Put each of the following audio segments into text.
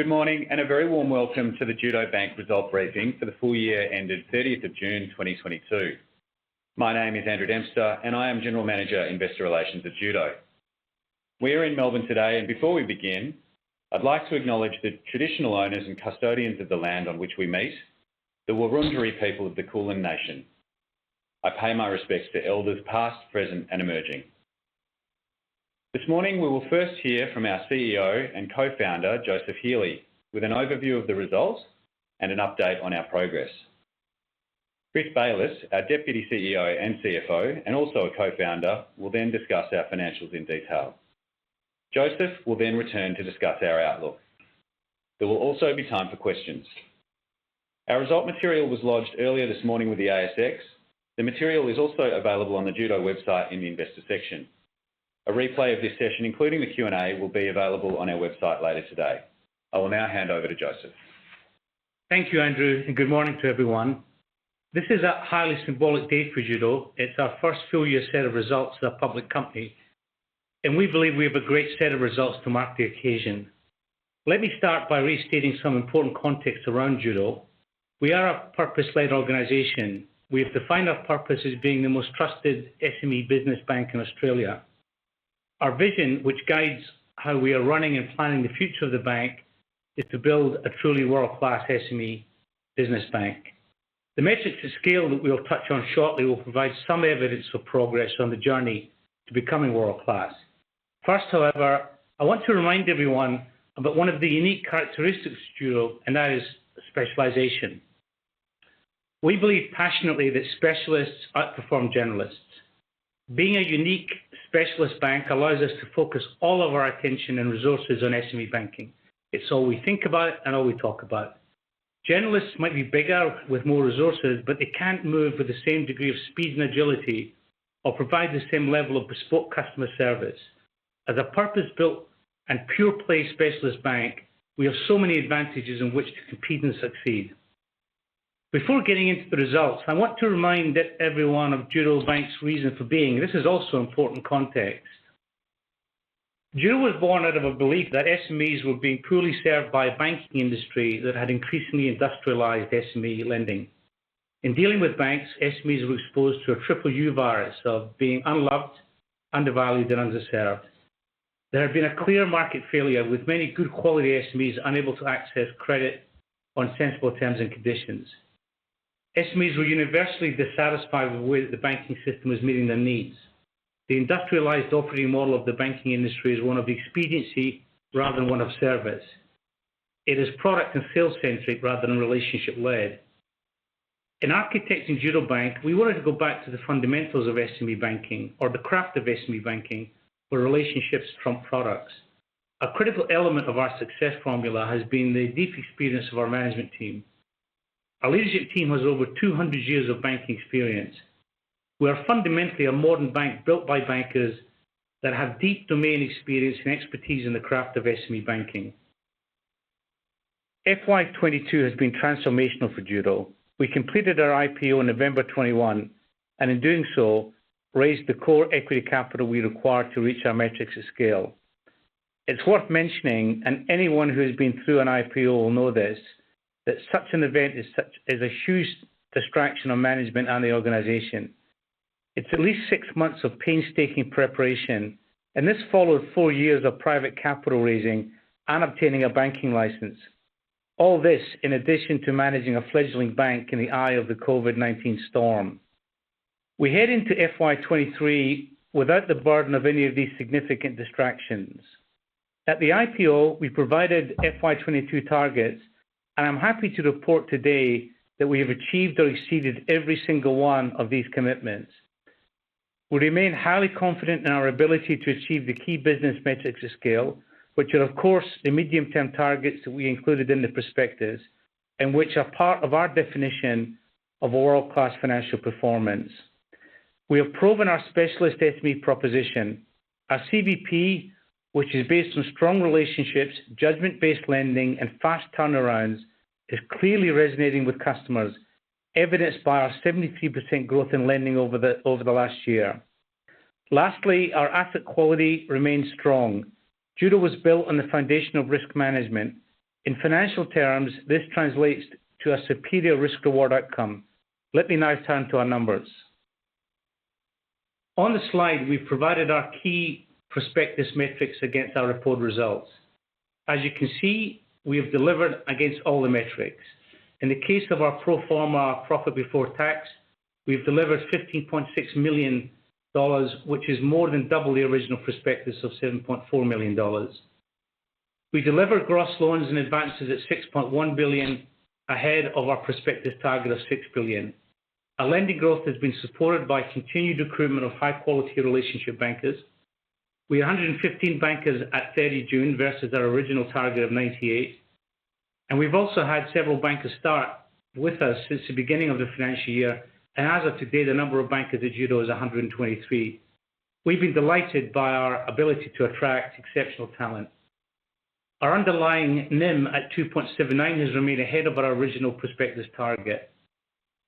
Good morning and a very warm welcome to the Judo Bank Result briefing for the full year ended 30th of June 2022. My name is Andrew Dempster, and I am General Manager, Investor Relations at Judo. We're in Melbourne today, and before we begin, I'd like to acknowledge the traditional owners and custodians of the land on which we meet, the Wurundjeri people of the Kulin nation. I pay my respects to elders past, present, and emerging. This morning, we will first hear from our CEO and Co-Founder, Joseph Healy, with an overview of the results and an update on our progress. Chris Bayliss, our Deputy CEO and CFO, and also a Co-Founder, will then discuss our financials in detail. Joseph will then return to discuss our outlook. There will also be time for questions. Our result material was lodged earlier this morning with the ASX. The material is also available on the Judo website in the investor section. A replay of this session, including the Q&A, will be available on our website later today. I will now hand over to Joseph. Thank you, Andrew, and good morning to everyone. This is a highly symbolic date for Judo. It's our first full year set of results as a public company, and we believe we have a great set of results to mark the occasion. Let me start by restating some important context around Judo. We are a purpose-led organization. We have defined our purpose as being the most trusted SME business bank in Australia. Our vision, which guides how we are running and planning the future of the bank, is to build a truly world-class SME business bank. The metrics to scale that we'll touch on shortly will provide some evidence for progress on the journey to becoming world-class. First, however, I want to remind everyone about one of the unique characteristics of Judo, and that is specialization. We believe passionately that specialists outperform generalists. Being a unique specialist bank allows us to focus all of our attention and resources on SME banking. It's all we think about and all we talk about. Generalists might be bigger with more resources, but they can't move with the same degree of speed and agility or provide the same level of bespoke customer service. As a purpose-built and pure play specialist bank, we have so many advantages in which to compete and succeed. Before getting into the results, I want to remind everyone of Judo Bank's reason for being. This is also important context. Judo was born out of a belief that SMEs were being poorly served by a banking industry that had increasingly industrialized SME lending. In dealing with banks, SMEs were exposed to a triple U virus of being unloved, undervalued, and underserved. There had been a clear market failure with many good quality SMEs unable to access credit on sensible terms and conditions. SMEs were universally dissatisfied with the way that the banking system was meeting their needs. The industrialized operating model of the banking industry is one of expediency rather than one of service. It is product and sales-centric rather than relationship-led. In architecting Judo Bank, we wanted to go back to the fundamentals of SME banking or the craft of SME banking, where relationships trump products. A critical element of our success formula has been the deep experience of our management team. Our leadership team has over 200 years of banking experience. We are fundamentally a modern bank built by bankers that have deep domain experience and expertise in the craft of SME banking. FY 2022 has been transformational for Judo. We completed our IPO on November 21, and in doing so, raised the core equity capital we require to reach our metrics to scale. It's worth mentioning, and anyone who has been through an IPO will know this, that such an event is a huge distraction on management and the organization. It's at least six months of painstaking preparation, and this followed four years of private capital raising and obtaining a banking license. All this in addition to managing a fledgling bank in the eye of the COVID-19 storm. We head into FY 2023 without the burden of any of these significant distractions. At the IPO, we provided FY 2022 targets, and I'm happy to report today that we have achieved or exceeded every single one of these commitments. We remain highly confident in our ability to achieve the key business metrics to scale, which are, of course, the medium-term targets that we included in the prospectus and which are part of our definition of world-class financial performance. We have proven our specialist SME proposition. Our CVP, which is based on strong relationships, judgment-based lending, and fast turnarounds, is clearly resonating with customers, evidenced by our 73% growth in lending over the last year. Lastly, our asset quality remains strong. Judo was built on the foundation of risk management. In financial terms, this translates to a superior risk/reward outcome. Let me now turn to our numbers. On the slide, we've provided our key prospectus metrics against our reported results. As you can see, we have delivered against all the metrics. In the case of our pro forma profit before tax, we've delivered 50.6 million dollars, which is more than double the original prospectus of 7.4 million dollars. We delivered gross loans and advances at 6.1 billion, ahead of our prospectus target of 6 billion. Our lending growth has been supported by continued recruitment of high-quality relationship bankers. We have 115 bankers at 30 June versus our original target of 98. We've also had several bankers start with us since the beginning of the financial year, and as of today, the number of bankers at Judo is 123. We've been delighted by our ability to attract exceptional talent. Our underlying NIM at 2.79% has remained ahead of our original prospectus target.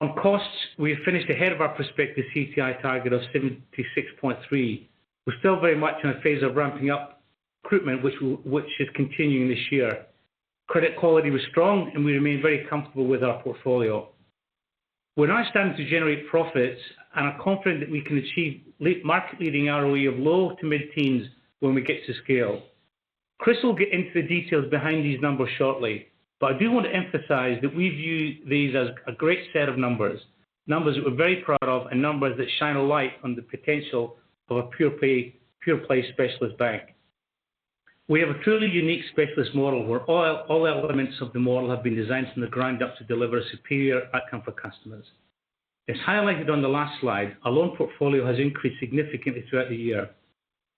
On costs, we have finished ahead of our prospective CTI target of 76.3%. We're still very much in a phase of ramping up recruitment, which is continuing this year. Credit quality was strong, and we remain very comfortable with our portfolio. We're now starting to generate profits and are confident that we can achieve market-leading ROE of low- to mid-teens% when we get to scale. Chris will get into the details behind these numbers shortly, but I do want to emphasize that we view these as a great set of numbers. Numbers that we're very proud of, and numbers that shine a light on the potential of a pure play specialist bank. We have a truly unique specialist model where all elements of the model have been designed from the ground up to deliver superior outcome for customers. As highlighted on the last slide, our loan portfolio has increased significantly throughout the year.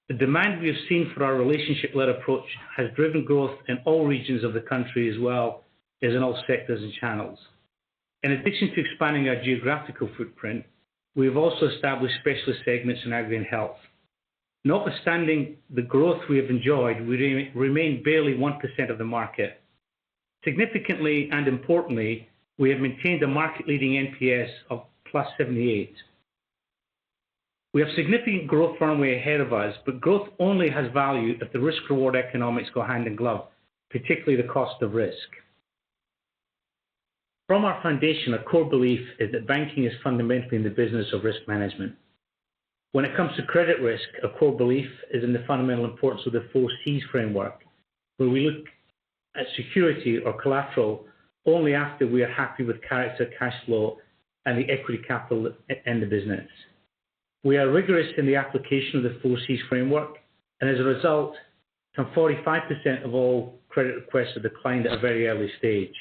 The demand we have seen for our relationship-led approach has driven growth in all regions of the country as well as in all sectors and channels. In addition to expanding our geographical footprint, we have also established specialist segments in agri and health. Notwithstanding the growth we have enjoyed, we remain barely 1% of the market. Significantly and importantly, we have maintained a market-leading NPS of +78. We have significant growth runway ahead of us, but growth only has value if the risk-reward economics go hand in glove, particularly the cost of risk. From our foundation, a core belief is that banking is fundamentally in the business of risk management. When it comes to credit risk, a core belief is in the fundamental importance of the four Cs framework, where we look at security or collateral only after we are happy with character, cash flow, and the equity capital in the business. We are rigorous in the application of the four Cs framework, and as a result, some 45% of all credit requests are declined at a very early stage.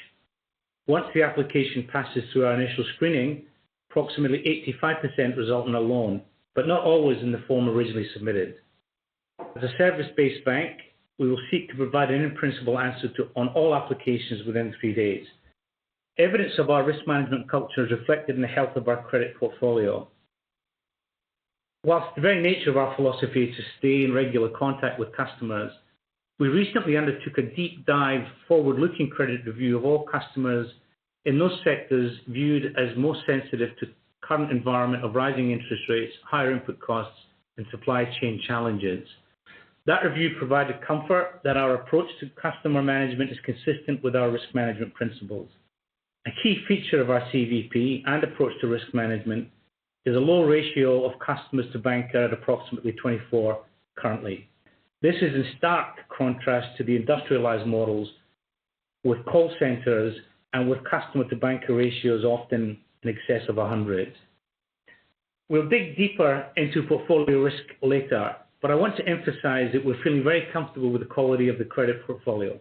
Once the application passes through our initial screening, approximately 85% result in a loan, but not always in the form originally submitted. As a service-based bank, we will seek to provide an in principle answer on all applications within three days. Evidence of our risk management culture is reflected in the health of our credit portfolio. While the very nature of our philosophy is to stay in regular contact with customers, we recently undertook a deep dive forward-looking credit review of all customers in those sectors viewed as most sensitive to current environment of rising interest rates, higher input costs, and supply chain challenges. That review provided comfort that our approach to customer management is consistent with our risk management principles. A key feature of our CVP and approach to risk management is a low ratio of customers to banker at approximately 24 currently. This is in stark contrast to the industrialized models with call centers and with customer-to-banker ratios often in excess of 100. We'll dig deeper into portfolio risk later, but I want to emphasize that we're feeling very comfortable with the quality of the credit portfolio.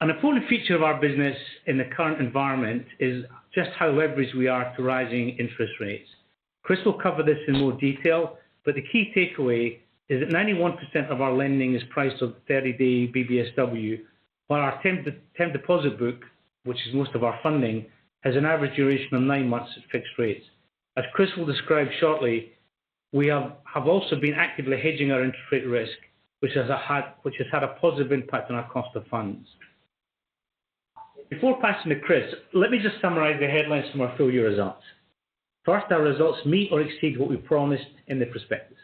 An important feature of our business in the current environment is just how leveraged we are to rising interest rates. Chris will cover this in more detail, but the key takeaway is that 91% of our lending is priced on 30-day BBSW, while our term deposit book, which is most of our funding, has an average duration of nine months at fixed rates. As Chris will describe shortly, we have also been actively hedging our interest rate risk, which has had a positive impact on our cost of funds. Before passing to Chris, let me just summarize the headlines from our full year results. First, our results meet or exceed what we promised in the prospectus.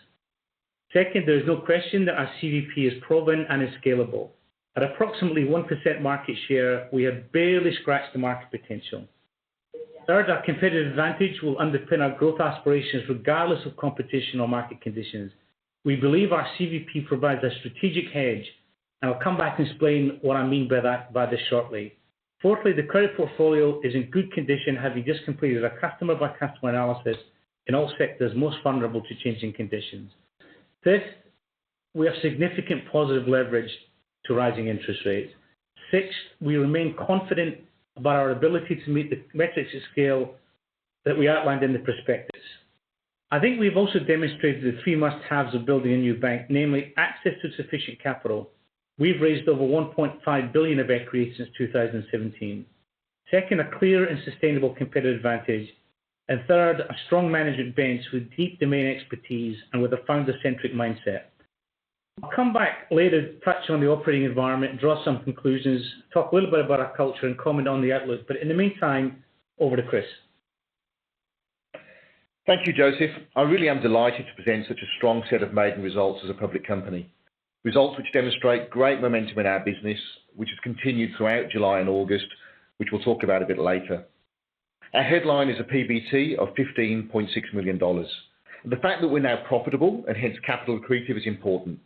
Second, there is no question that our CVP is proven and is scalable. At approximately 1% market share, we have barely scratched the market potential. Third, our competitive advantage will underpin our growth aspirations regardless of competition or market conditions. We believe our CVP provides a strategic hedge, and I'll come back and explain what I mean by this shortly. Fourthly, the credit portfolio is in good condition, having just completed a customer-by-customer analysis in all sectors most vulnerable to changing conditions. Fifth, we have significant positive leverage to rising interest rates. Six, we remain confident about our ability to meet the metrics to scale that we outlined in the prospectus. I think we've also demonstrated the three must-haves of building a new bank, namely access to sufficient capital. We've raised over 1.5 billion of equity since 2017. Second, a clear and sustainable competitive advantage. Third, a strong management bench with deep domain expertise and with a founder-centric mindset. I'll come back later to touch on the operating environment and draw some conclusions, talk a little bit about our culture and comment on the outlook. In the meantime, over to Chris. Thank you, Joseph. I really am delighted to present such a strong set of maiden results as a public company. Results which demonstrate great momentum in our business, which has continued throughout July and August, which we'll talk about a bit later. Our headline is a PBT of 15.6 million dollars. The fact that we're now profitable, and hence capital accretive, is important.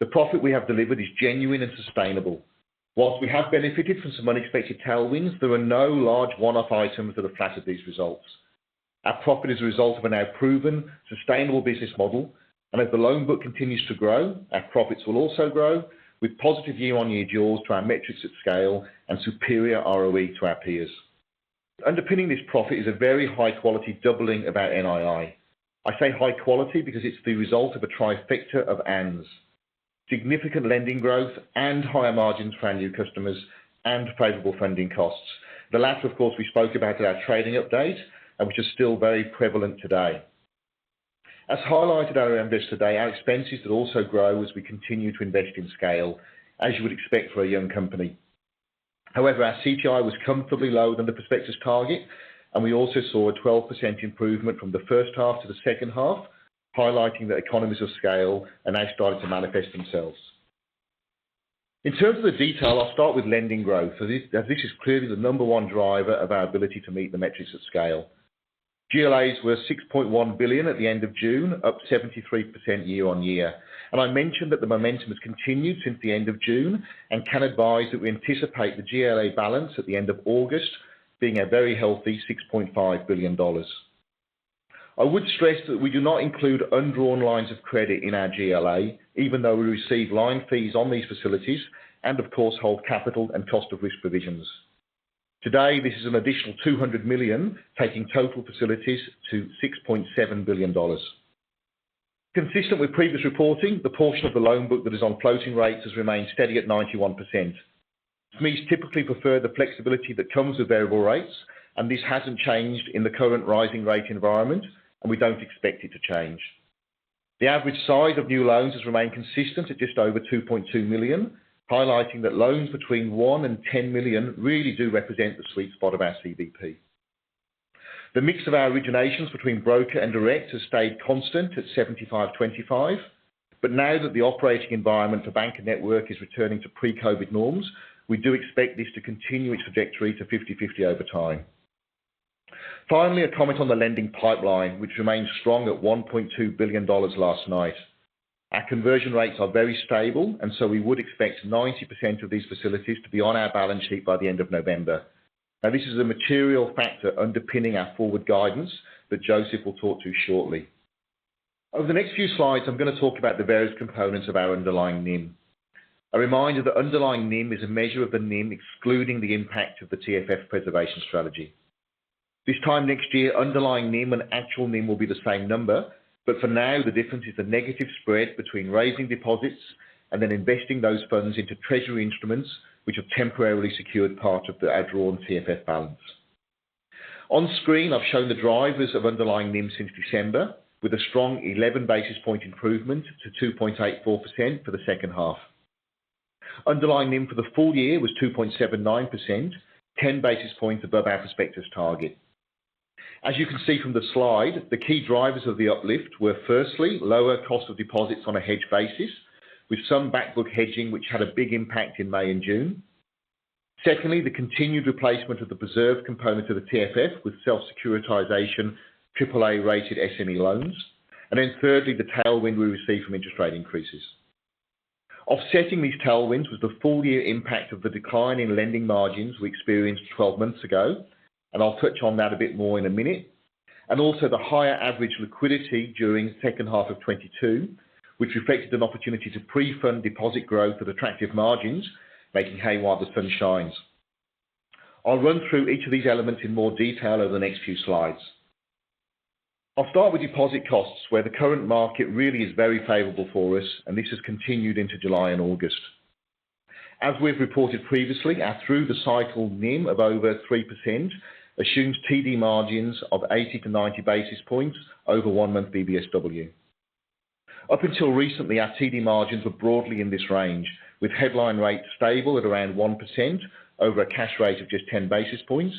The profit we have delivered is genuine and sustainable. While we have benefited from some unexpected tailwinds, there are no large one-off items that have flattered these results. Our profit is a result of a now proven sustainable business model, and as the loan book continues to grow, our profits will also grow with positive year-on-year jaws to our metrics at scale and superior ROE to our peers. Underpinning this profit is a very high quality doubling of our NII. I say high quality because it's the result of a trifecta of ands. Significant lending growth and higher margins for our new customers and favorable funding costs. The latter, of course, we spoke about at our trading update, and which is still very prevalent today. As highlighted earlier in the call today, our expenses that also grow as we continue to invest in scale, as you would expect for a young company. However, our CTI was comfortably lower than the prospectus target, and we also saw a 12% improvement from the first half to the second half, highlighting the economies of scale, and they started to manifest themselves. In terms of the detail, I'll start with lending growth. This is clearly the number one driver of our ability to meet the metrics at scale. GLAs were 6.1 billion at the end of June, up 73% year-on-year. I mentioned that the momentum has continued since the end of June and can advise that we anticipate the GLA balance at the end of August being a very healthy 6.5 billion dollars. I would stress that we do not include undrawn lines of credit in our GLA, even though we receive line fees on these facilities and of course hold capital and cost of risk provisions. Today, this is an additional 200 million, taking total facilities to 6.7 billion dollars. Consistent with previous reporting, the portion of the loan book that is on floating rates has remained steady at 91%. SMEs typically prefer the flexibility that comes with variable rates, and this hasn't changed in the current rising rate environment, and we don't expect it to change. The average size of new loans has remained consistent at just over 2.2 million, highlighting that loans between 1 million and 10 million really do represent the sweet spot of our CVP. The mix of our originations between broker and direct has stayed constant at 75/25. Now that the operating environment for broker and network is returning to pre-COVID norms, we do expect this to continue its trajectory to 50/50 over time. Finally, a comment on the lending pipeline, which remains strong at 1.2 billion dollars last night. Our conversion rates are very stable, and so we would expect 90% of these facilities to be on our balance sheet by the end of November. Now, this is a material factor underpinning our forward guidance that Joseph will talk to shortly. Over the next few slides, I'm going to talk about the various components of our underlying NIM. A reminder that underlying NIM is a measure of the NIM, excluding the impact of the TFF preservation strategy. This time next year, underlying NIM and actual NIM will be the same number, but for now, the difference is the negative spread between raising deposits and then investing those funds into treasury instruments, which have temporarily secured part of the already drawn TFF balance. On screen, I've shown the drivers of underlying NIM since December, with a strong 11 basis point improvement to 2.84% for the second half. Underlying NIM for the full year was 2.79%, 10 basis points above our prospectus target. As you can see from the slide, the key drivers of the uplift were firstly, lower cost of deposits on a hedged basis, with some back book hedging, which had a big impact in May and June. Secondly, the continued replacement of the preserved component of the TFF with self-securitization AAA-rated SME loans. Thirdly, the tailwind we receive from interest rate increases. Offsetting these tailwinds was the full year impact of the decline in lending margins we experienced 12 months ago, and I'll touch on that a bit more in a minute, and also the higher average liquidity during second half of 2022, which reflected an opportunity to prefund deposit growth at attractive margins, making hay while the sun shines. I'll run through each of these elements in more detail over the next few slides. I'll start with deposit costs, where the current market really is very favorable for us, and this has continued into July and August. As we've reported previously, our through the cycle NIM of over 3% assumes TD margins of 80-90 basis points over one-month BBSW. Up until recently, our TD margins were broadly in this range, with headline rates stable at around 1% over a cash rate of just 10 basis points.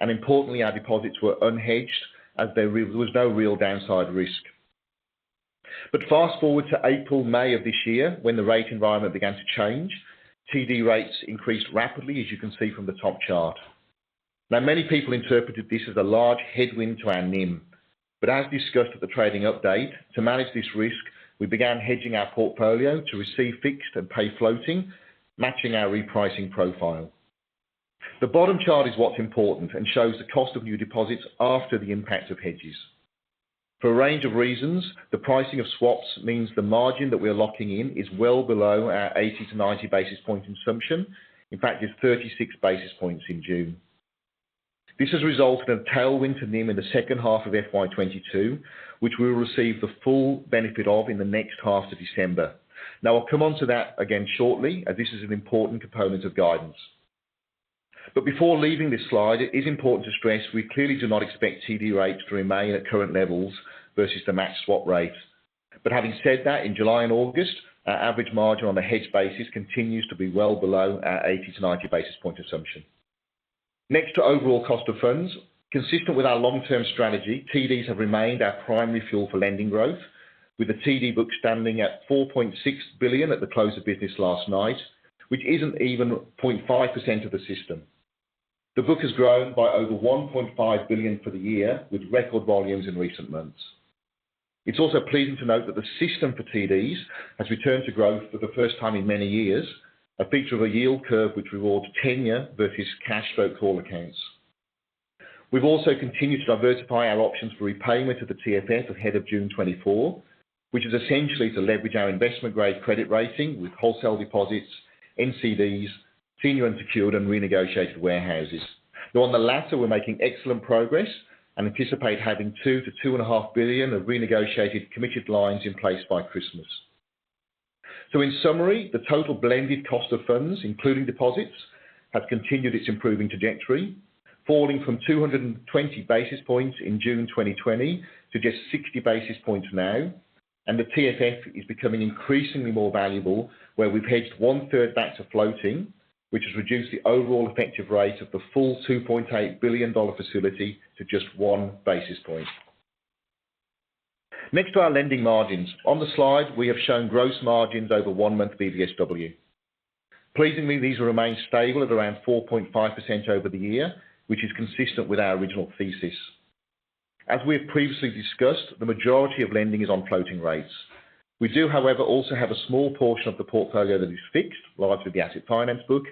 Importantly, our deposits were unhedged as there was no real downside risk. Fast-forward to April, May of this year, when the rate environment began to change, TD rates increased rapidly, as you can see from the top chart. Now, many people interpreted this as a large headwind to our NIM. As discussed at the trading update, to manage this risk, we began hedging our portfolio to receive fixed and pay floating, matching our repricing profile. The bottom chart is what's important and shows the cost of new deposits after the impact of hedges. For a range of reasons, the pricing of swaps means the margin that we are locking in is well below our 80-90 basis point assumption. In fact, it's 36 basis points in June. This has resulted in a tailwind to NIM in the second half of FY 2022, which we will receive the full benefit of in the next half to December. Now, I'll come on to that again shortly, as this is an important component of guidance. Before leaving this slide, it is important to stress we clearly do not expect TD rates to remain at current levels versus the matched swap rates. Having said that, in July and August, our average margin on a hedged basis continues to be well below our 80-90 basis point assumption. Next to overall cost of funds, consistent with our long-term strategy, TDs have remained our primary fuel for lending growth, with the TD book standing at 4.6 billion at the close of business last night, which isn't even 0.5% of the system. The book has grown by over 1.5 billion for the year, with record volumes in recent months. It's also pleasing to note that the system for TDs has returned to growth for the first time in many years, a feature of a yield curve which rewards tenor versus cash flow call accounts. We've also continued to diversify our options for repayment of the TFF ahead of June 2024, which is essentially to leverage our investment grade credit rating with wholesale deposits, NCDs, senior unsecured, and renegotiated warehouses. Though on the latter, we're making excellent progress and anticipate having 2 billion-2.5 billion of renegotiated committed lines in place by Christmas. In summary, the total blended cost of funds, including deposits, has continued its improving trajectory, falling from 220 basis points in June 2020 to just 60 basis points now. The TFF is becoming increasingly more valuable, where we've hedged one-third back to floating, which has reduced the overall effective rate of the full 2.8 billion dollar facility to just one basis point. Next are our lending margins. On the slide, we have shown gross margins over one month BBSW. Pleasingly, these remain stable at around 4.5% over the year, which is consistent with our original thesis. As we have previously discussed, the majority of lending is on floating rates. We do, however, also have a small portion of the portfolio that is fixed, largely the asset finance book,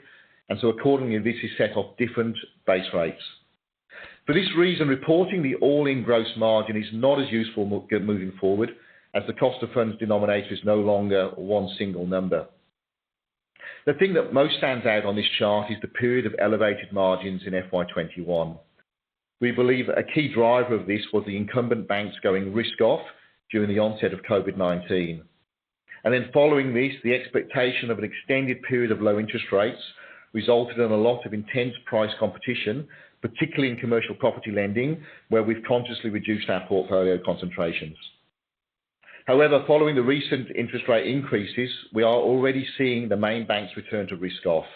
and so accordingly, this is set off different base rates. For this reason, reporting the all-in gross margin is not as useful moving forward as the cost of funds denominator is no longer one single number. The thing that most stands out on this chart is the period of elevated margins in FY 2021. We believe a key driver of this was the incumbent banks going risk off during the onset of COVID-19. Following this, the expectation of an extended period of low interest rates resulted in a lot of intense price competition, particularly in commercial property lending, where we've consciously reduced our portfolio concentrations. However, following the recent interest rate increases, we are already seeing the main banks return to risk off.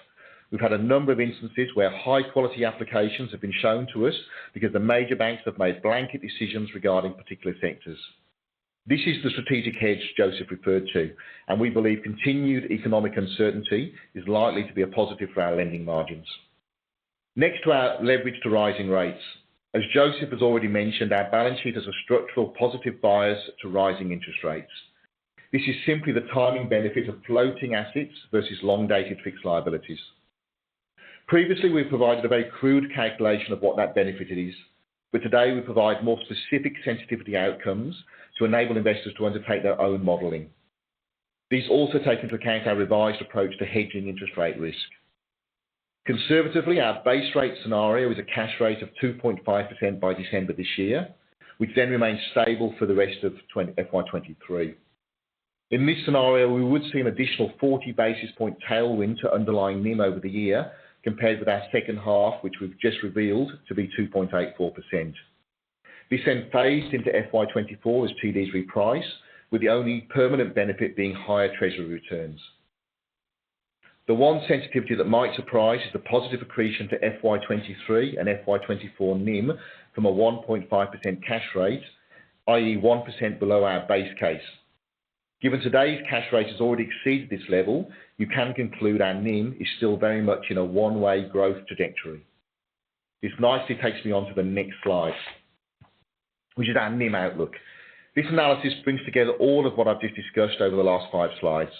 We've had a number of instances where high-quality applications have been shown to us because the major banks have made blanket decisions regarding particular sectors. This is the strategic hedge Joseph referred to, and we believe continued economic uncertainty is likely to be a positive for our lending margins. Next to our leverage to rising rates. As Joseph has already mentioned, our balance sheet has a structural positive bias to rising interest rates. This is simply the timing benefit of floating assets versus long-dated fixed liabilities. Previously, we provided a very crude calculation of what that benefit is, but today we provide more specific sensitivity outcomes to enable investors to undertake their own modeling. These also take into account our revised approach to hedging interest rate risk. Conservatively, our base rate scenario is a cash rate of 2.5% by December this year, which then remains stable for the rest of FY 2023. In this scenario, we would see an additional 40 basis points tailwind to underlying NIM over the year compared with our second half, which we've just revealed to be 2.84%. This then phased into FY 2024 as TDs reprice, with the only permanent benefit being higher treasury returns. The one sensitivity that might surprise is the positive accretion to FY 2023 and FY 2024 NIM from a 1.5% cash rate, i.e. 1% below our base case. Given today's cash rate has already exceeded this level, you can conclude our NIM is still very much in a one-way growth trajectory. This nicely takes me on to the next slide, which is our NIM outlook. This analysis brings together all of what I've just discussed over the last five slides.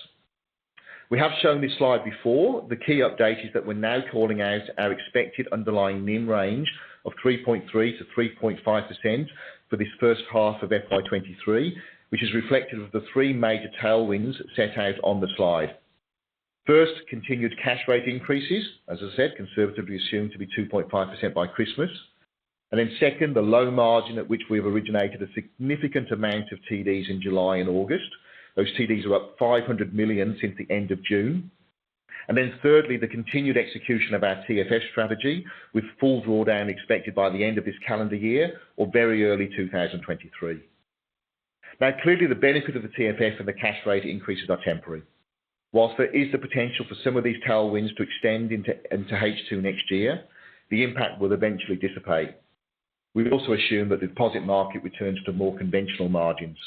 We have shown this slide before. The key update is that we're now calling out our expected underlying NIM range of 3.3%-3.5% for this first half of FY 2023, which is reflective of the three major tailwinds set out on the slide. First, continued cash rate increases, as I said, conservatively assumed to be 2.5% by Christmas. Then second, the low margin at which we have originated a significant amount of TDs in July and August. Those TDs are up 500 million since the end of June. Then thirdly, the continued execution of our TFF strategy, with full drawdown expected by the end of this calendar year or very early 2023. Now, clearly the benefit of the TFF and the cash rate increases are temporary. While there is the potential for some of these tailwinds to extend into H2 next year, the impact will eventually dissipate. We've also assumed that the deposit market returns to more conventional margins.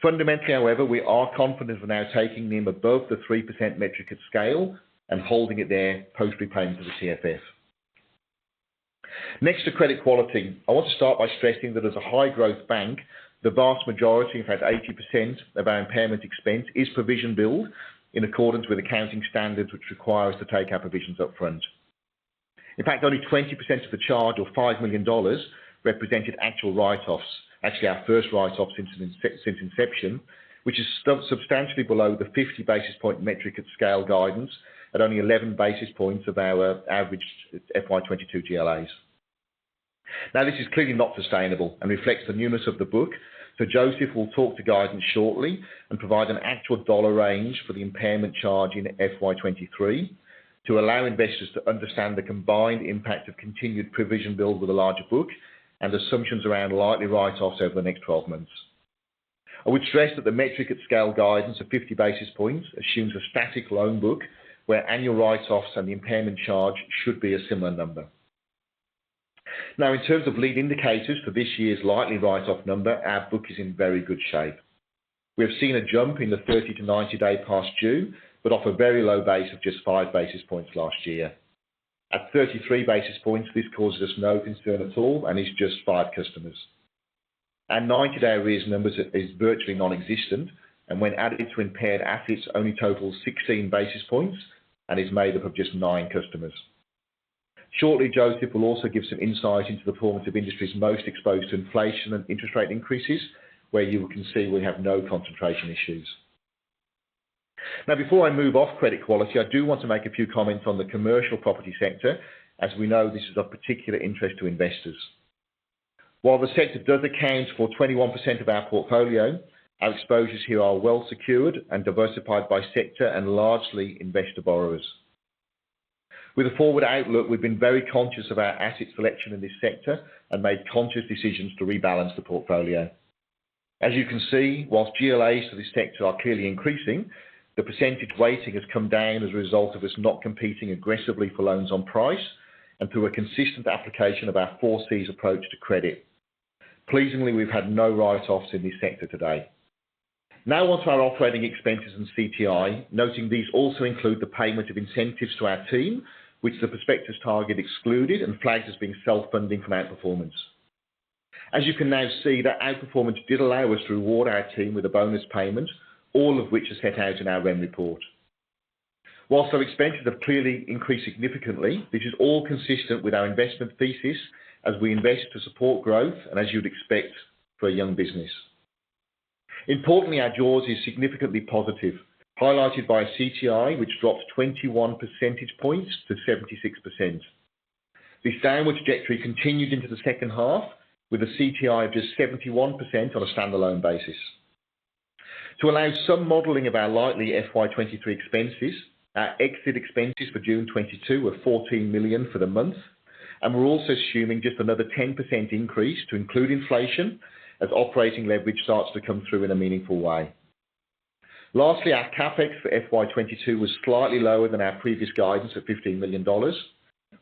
Fundamentally, however, we are confident we're now taking NIM above the 3% metric at scale and holding it there post repayment of the TFF. Next to credit quality. I want to start by stressing that as a high-growth bank, the vast majority, in fact 80%, of our impairment expense is provision build in accordance with accounting standards which require us to take our provisions up front. In fact, only 20% of the charge or 5 million dollars represented actual write-offs. Actually, our first write-offs since since inception, which is substantially below the 50 basis point metric at scale guidance at only 11 basis points of our averaged FY 2022 GLAs. This is clearly not sustainable and reflects the newness of the book, so Joseph will talk to guidance shortly and provide an actual dollar range for the impairment charge in FY 2023 to allow investors to understand the combined impact of continued provision build with a larger book and assumptions around likely write-offs over the next twelve months. I would stress that the metric at scale guidance of 50 basis points assumes a static loan book, where annual write-offs and the impairment charge should be a similar number. In terms of leading indicators for this year's likely write-off number, our book is in very good shape. We have seen a jump in the 30-90-day past due, but off a very low base of just five basis points last year. At 33 basis points, this causes us no concern at all and is just five customers. Our 90-day arrears numbers is virtually nonexistent and when added to impaired assets only totals 16 basis points and is made up of just nine customers. Shortly, Joseph will also give some insight into the performance of industries most exposed to inflation and interest rate increases, where you can see we have no concentration issues. Now, before I move off credit quality, I do want to make a few comments on the commercial property sector. As we know, this is of particular interest to investors. While the sector does account for 21% of our portfolio, our exposures here are well secured and diversified by sector and largely investor borrowers. With a forward outlook, we've been very conscious of our asset selection in this sector and made conscious decisions to rebalance the portfolio. As you can see, while GLAs for this sector are clearly increasing, the percentage weighting has come down as a result of us not competing aggressively for loans on price and through a consistent application of our four Cs approach to credit. Pleasingly, we've had no write-offs in this sector today. Now on to our operating expenses and CTI, noting these also include the payment of incentives to our team, which the prospectus target excluded and flagged as being self-funding from outperformance. As you can now see that outperformance did allow us to reward our team with a bonus payment, all of which is set out in our Remuneration Report. While our expenses have clearly increased significantly, this is all consistent with our investment thesis as we invest to support growth and as you'd expect for a young business. Importantly, our jaws is significantly positive, highlighted by CTI, which dropped 21 percentage points to 76%. This down trajectory continued into the second half with a CTI of just 71% on a standalone basis. To allow some modeling of our likely FY 2023 expenses, our exit expenses for June 2022 were 14 million for the month, and we're also assuming just another 10% increase to include inflation as operating leverage starts to come through in a meaningful way. Lastly, our CapEx for FY 2022 was slightly lower than our previous guidance of 15 million dollars,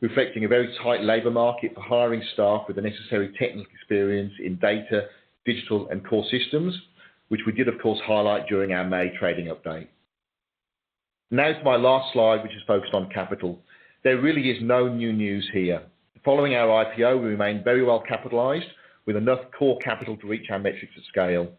reflecting a very tight labor market for hiring staff with the necessary technical experience in data, digital, and core systems, which we did, of course, highlight during our May trading update. Now to my last slide, which is focused on capital. There really is no new news here. Following our IPO, we remain very well capitalized with enough core capital to reach our metrics at scale.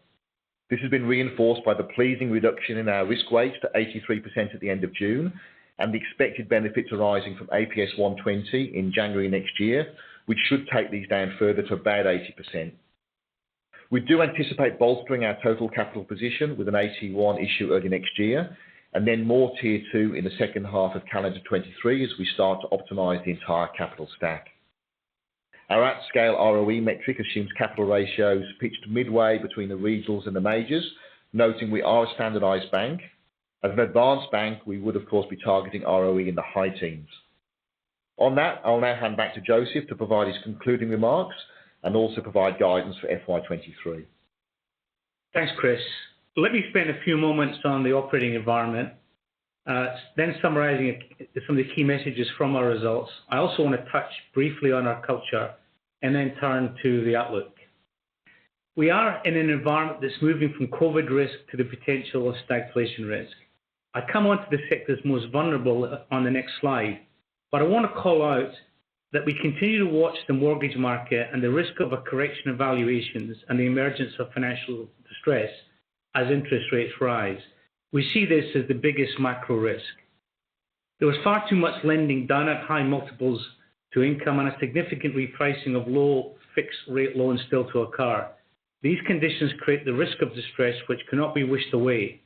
This has been reinforced by the pleasing reduction in our risk weight to 83% at the end of June, and the expected benefits arising from APS 120 in January next year, which should take these down further to about 80%. We do anticipate bolstering our total capital position with an AT1 issue early next year, and then more Tier 2 in the second half of calendar 2023 as we start to optimize the entire capital stack. Our at-scale ROE metric assumes capital ratios pitched midway between the regionals and the majors, noting we are a standardized bank. As an advanced bank, we would of course be targeting ROE in the high teens. On that, I'll now hand back to Joseph to provide his concluding remarks and also provide guidance for FY 2023. Thanks, Chris. Let me spend a few moments on the operating environment, then summarizing some of the key messages from our results. I also wanna touch briefly on our culture and then turn to the outlook. We are in an environment that's moving from COVID risk to the potential of stagflation risk. I come on to the sectors most vulnerable on the next slide, but I wanna call out that we continue to watch the mortgage market and the risk of a correction of valuations and the emergence of financial distress as interest rates rise. We see this as the biggest macro risk. There was far too much lending done at high multiples to income and a significant repricing of low fixed rate loans still to occur. These conditions create the risk of distress which cannot be wished away.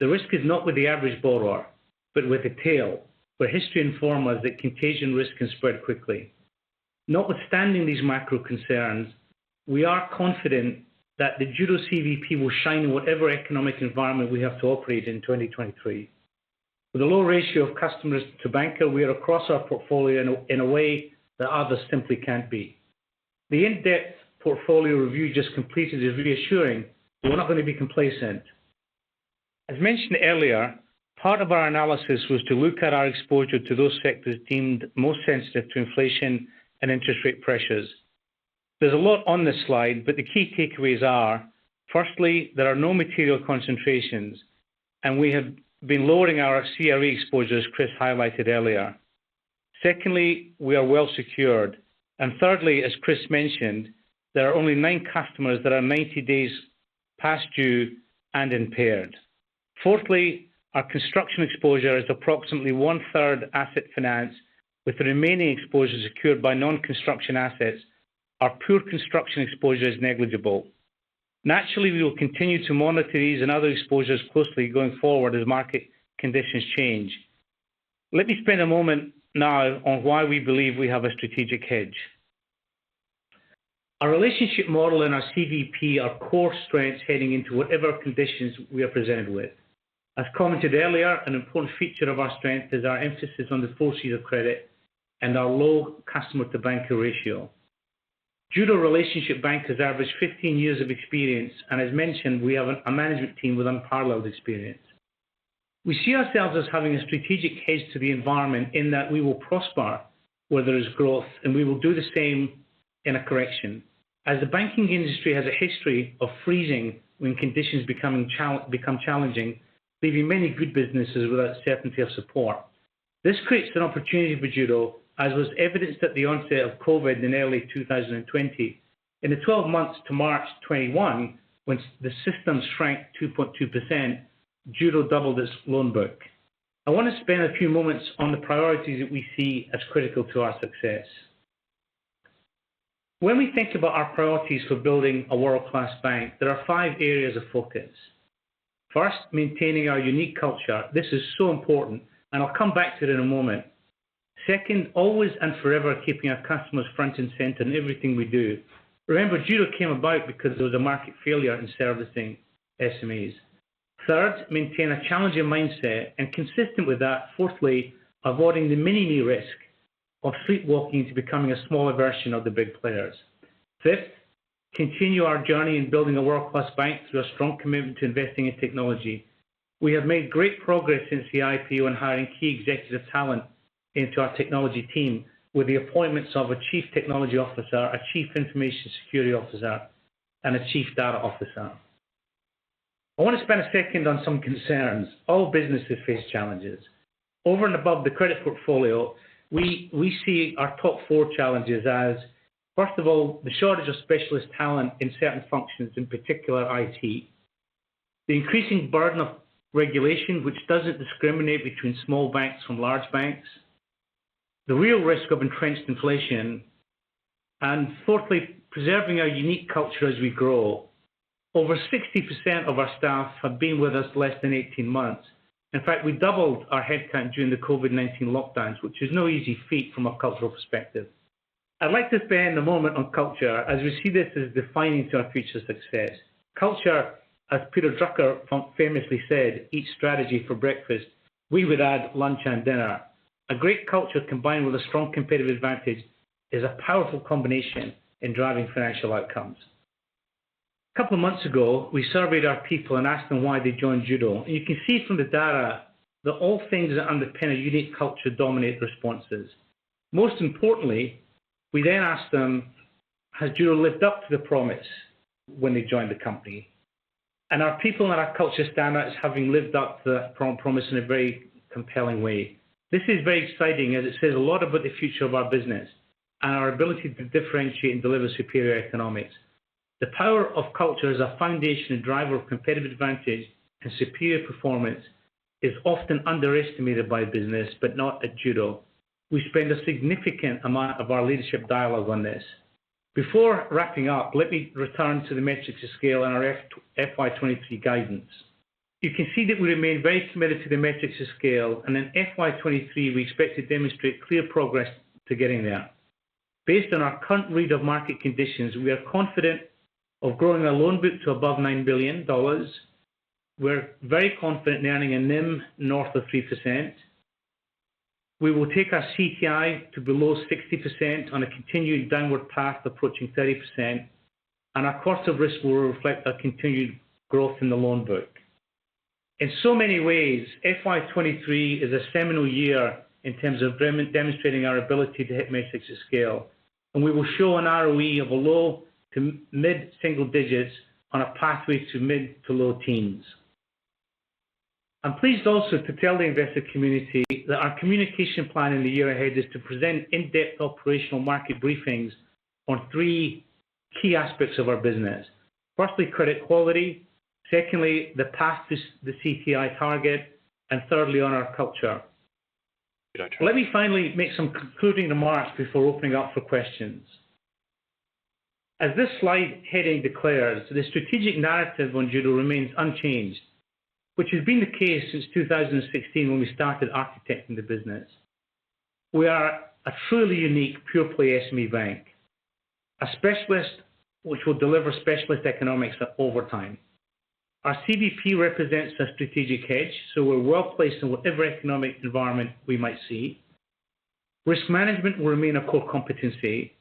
The risk is not with the average borrower, but with the tail, where history informs us that contagion risk can spread quickly. Notwithstanding these macro concerns, we are confident that the Judo CVP will shine in whatever economic environment we have to operate in 2023. With a low ratio of customers to banker, we are across our portfolio in a way that others simply can't be. The in-depth portfolio review just completed is reassuring, but we're not gonna be complacent. As mentioned earlier, part of our analysis was to look at our exposure to those sectors deemed most sensitive to inflation and interest rate pressures. There's a lot on this slide, but the key takeaways are. Firstly, there are no material concentrations, and we have been lowering our CRE exposures, Chris highlighted earlier. Secondly, we are well secured. Thirdly, as Chris mentioned, there are only nine customers that are 90 days past due and impaired. Fourthly, our construction exposure is approximately one-third asset finance, with the remaining exposures secured by non-construction assets. Our pure construction exposure is negligible. Naturally, we will continue to monitor these and other exposures closely going forward as market conditions change. Let me spend a moment now on why we believe we have a strategic hedge. Our relationship model and our CVP are core strengths heading into whatever conditions we are presented with. As commented earlier, an important feature of our strength is our emphasis on the four Cs of credit and our low customer-to-banker ratio. Judo relationship bankers have averaged 15 years of experience, and as mentioned, we have a management team with unparalleled experience. We see ourselves as having a strategic hedge to the environment in that we will prosper where there is growth, and we will do the same in a correction. As the banking industry has a history of freezing when conditions become challenging, leaving many good businesses without certainty of support. This creates an opportunity for Judo, as was evidenced at the onset of COVID in early 2020. In the twelve months to March 2021, when the systems shrank 2.2%, Judo doubled its loan book. I wanna spend a few moments on the priorities that we see as critical to our success. When we think about our priorities for building a world-class bank, there are five areas of focus. First, maintaining our unique culture. This is so important, and I'll come back to it in a moment. Second, always and forever keeping our customers front and center in everything we do. Remember, Judo came about because there was a market failure in servicing SMEs. Third, maintain a challenging mindset and consistent with that. Fourthly, avoiding the many risks of sleepwalking to becoming a smaller version of the big players. Fifth, continue our journey in building a world-class bank through a strong commitment to investing in technology. We have made great progress since the IPO and hiring key executive talent into our technology team with the appointments of a chief technology officer, a chief information security officer, and a chief data officer. I want to spend a second on some concerns. All businesses face challenges. Over and above the credit portfolio, we see our top four challenges as, first of all, the shortage of specialist talent in certain functions, in particular, IT. The increasing burden of regulation, which doesn't discriminate between small banks and large banks. The real risk of entrenched inflation. Fourthly, preserving our unique culture as we grow. Over 60% of our staff have been with us less than 18 months. In fact, we doubled our headcount during the COVID-19 lockdowns, which is no easy feat from a cultural perspective. I'd like to spend a moment on culture as we see this as defining to our future success. Culture, as Peter Drucker famously said, "Eats strategy for breakfast." We would add lunch and dinner. A great culture combined with a strong competitive advantage is a powerful combination in driving financial outcomes. A couple of months ago, we surveyed our people and asked them why they joined Judo. You can see from the data that all things that underpin a unique culture dominate responses. Most importantly, we then ask them, "Has Judo lived up to the promise when they joined the company?" Our people and our culture stand out as having lived up to the promise in a very compelling way. This is very exciting as it says a lot about the future of our business and our ability to differentiate and deliver superior economics. The power of culture as a foundation and driver of competitive advantage and superior performance is often underestimated by business, but not at Judo. We spend a significant amount of our leadership dialogue on this. Before wrapping up, let me return to the metrics to scale and our FY 2023 guidance. You can see that we remain very committed to the metrics to scale, and in FY 2023, we expect to demonstrate clear progress to getting there. Based on our current read of market conditions, we are confident of growing our loan book to above 9 billion dollars. We're very confident in earning a NIM north of 3%. We will take our CTI to below 60% on a continued downward path, approaching 30%, and our cost of risk will reflect our continued growth in the loan book. In so many ways, FY 2023 is a seminal year in terms of demonstrating our ability to hit metrics to scale, and we will show an ROE of low- to mid-single digits on a pathway to mid- to low-teens. I'm pleased also to tell the investor community that our communication plan in the year ahead is to present in-depth operational market briefings on three key aspects of our business. Firstly, credit quality. Secondly, the path to the CTI target. Thirdly, on our culture. Let me finally make some concluding remarks before opening up for questions. As this slide heading declares, the strategic narrative on Judo remains unchanged, which has been the case since 2016 when we started architecting the business. We are a truly unique pure-play SME bank, a specialist which will deliver specialist economics over time. Our CVP represents a strategic hedge, so we're well-placed in whatever economic environment we might see. Risk management will remain a core competency,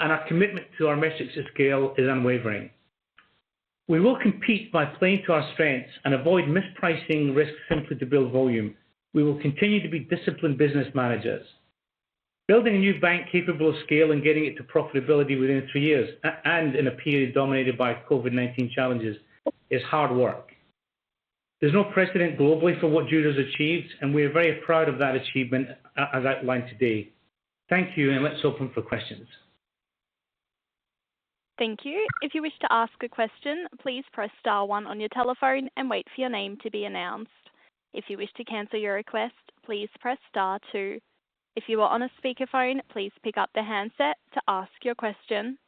and our commitment to our metrics to scale is unwavering. We will compete by playing to our strengths and avoid mispricing risk simply to build volume. We will continue to be disciplined business managers. Building a new bank capable of scale and getting it to profitability within three years and in a period dominated by COVID-19 challenges is hard work. There's no precedent globally for what Judo has achieved, and we are very proud of that achievement as outlined today. Thank you, and let's open for questions. Thank you. If you wish to ask a question, please press star one on your telephone and wait for your name to be announced. If you wish to cancel your request, please press star two. If you are on a speakerphone, please pick up the handset to ask your question.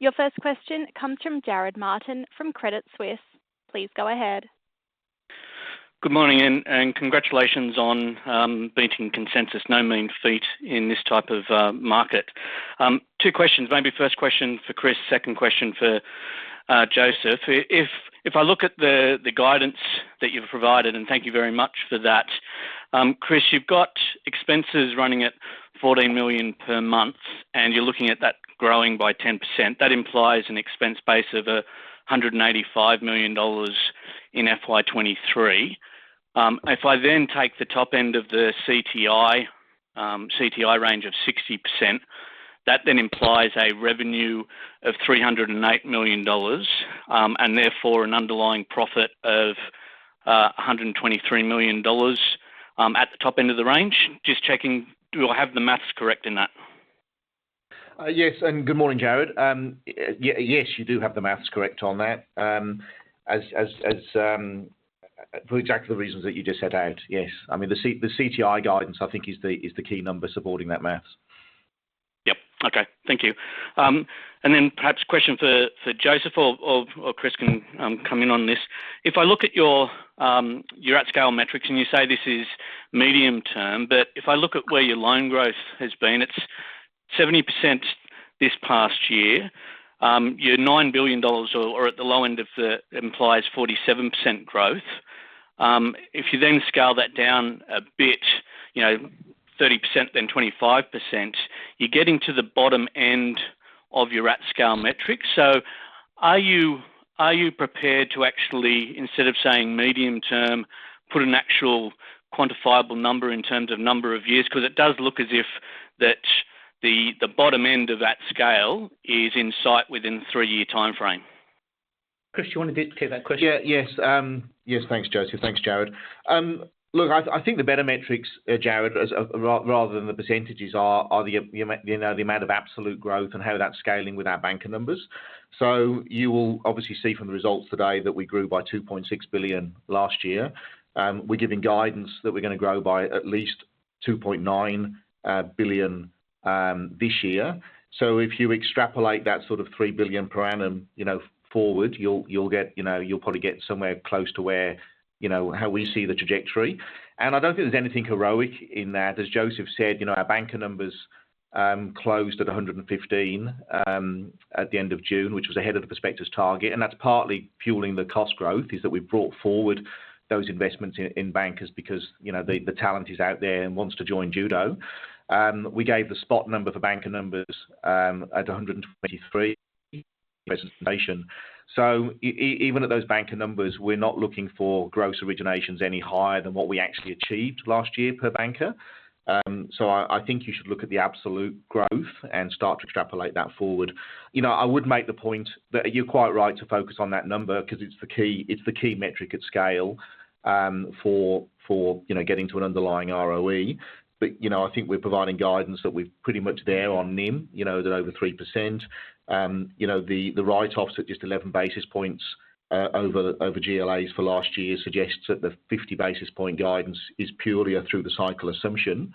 Your first question comes from Jarrod Martin from Credit Suisse. Please go ahead. Good morning, congratulations on beating consensus. No mean feat in this type of market. Two questions. Maybe first question for Chris, second question for Joseph. If I look at the guidance that you've provided, and thank you very much for that, Chris, you've got expenses running at 14 million per month, and you're looking at that growing by 10%. That implies an expense base of 185 million dollars in FY 2023. If I then take the top end of the CTI range of 60%, that then implies a revenue of 308 million dollars, and therefore an underlying profit of 123 million dollars at the top end of the range. Just checking, do I have the math correct in that? Yes, good morning, Jarrod. Yes, you do have the math correct on that. As for exactly the reasons that you just set out, yes. I mean, the CTI guidance, I think is the key number supporting that math. Yep. Okay. Thank you. Then perhaps a question for Joseph or Chris can come in on this. If I look at your at scale metrics, and you say this is medium term, but if I look at where your loan growth has been, it's 70% this past year. Your 9 billion dollars or at the low end of the implies 47% growth. If you then scale that down a bit, you know, 30% then 25%, you're getting to the bottom end of your at scale metrics. Are you prepared to actually, instead of saying medium term, put an actual quantifiable number in terms of number of years? 'Cause it does look as if that the bottom end of that scale is in sight within three-year timeframe. Chris, you wanna take that question? Yes. Thanks, Joseph. Thanks, Jarrod. Look, I think the better metrics, Jarrod, rather than the percentages are the you know the amount of absolute growth and how that's scaling with our banker numbers. You will obviously see from the results today that we grew by 2.6 billion last year. We're giving guidance that we're gonna grow by at least 2.9 billion this year. If you extrapolate that sort of 3 billion per annum you know forward, you'll get you know you'll probably get somewhere close to where you know how we see the trajectory. I don't think there's anything heroic in that. As Joseph said, you know, our banker numbers closed at 115 at the end of June, which was ahead of the prospectus target. That's partly fueling the cost growth is that we've brought forward those investments in bankers because, you know, the talent is out there and wants to join Judo. We gave the spot number for banker numbers at 123 presentation. Even at those banker numbers, we're not looking for gross originations any higher than what we actually achieved last year per banker. I think you should look at the absolute growth and start to extrapolate that forward. You know, I would make the point that you're quite right to focus on that number 'cause it's the key, it's the key metric at scale, for you know, getting to an underlying ROE. You know, I think we're providing guidance that we're pretty much there on NIM, you know, they're over 3%. You know, the write-offs at just 11 basis points over GLAs for last year suggests that the 50 basis point guidance is purely a through the cycle assumption.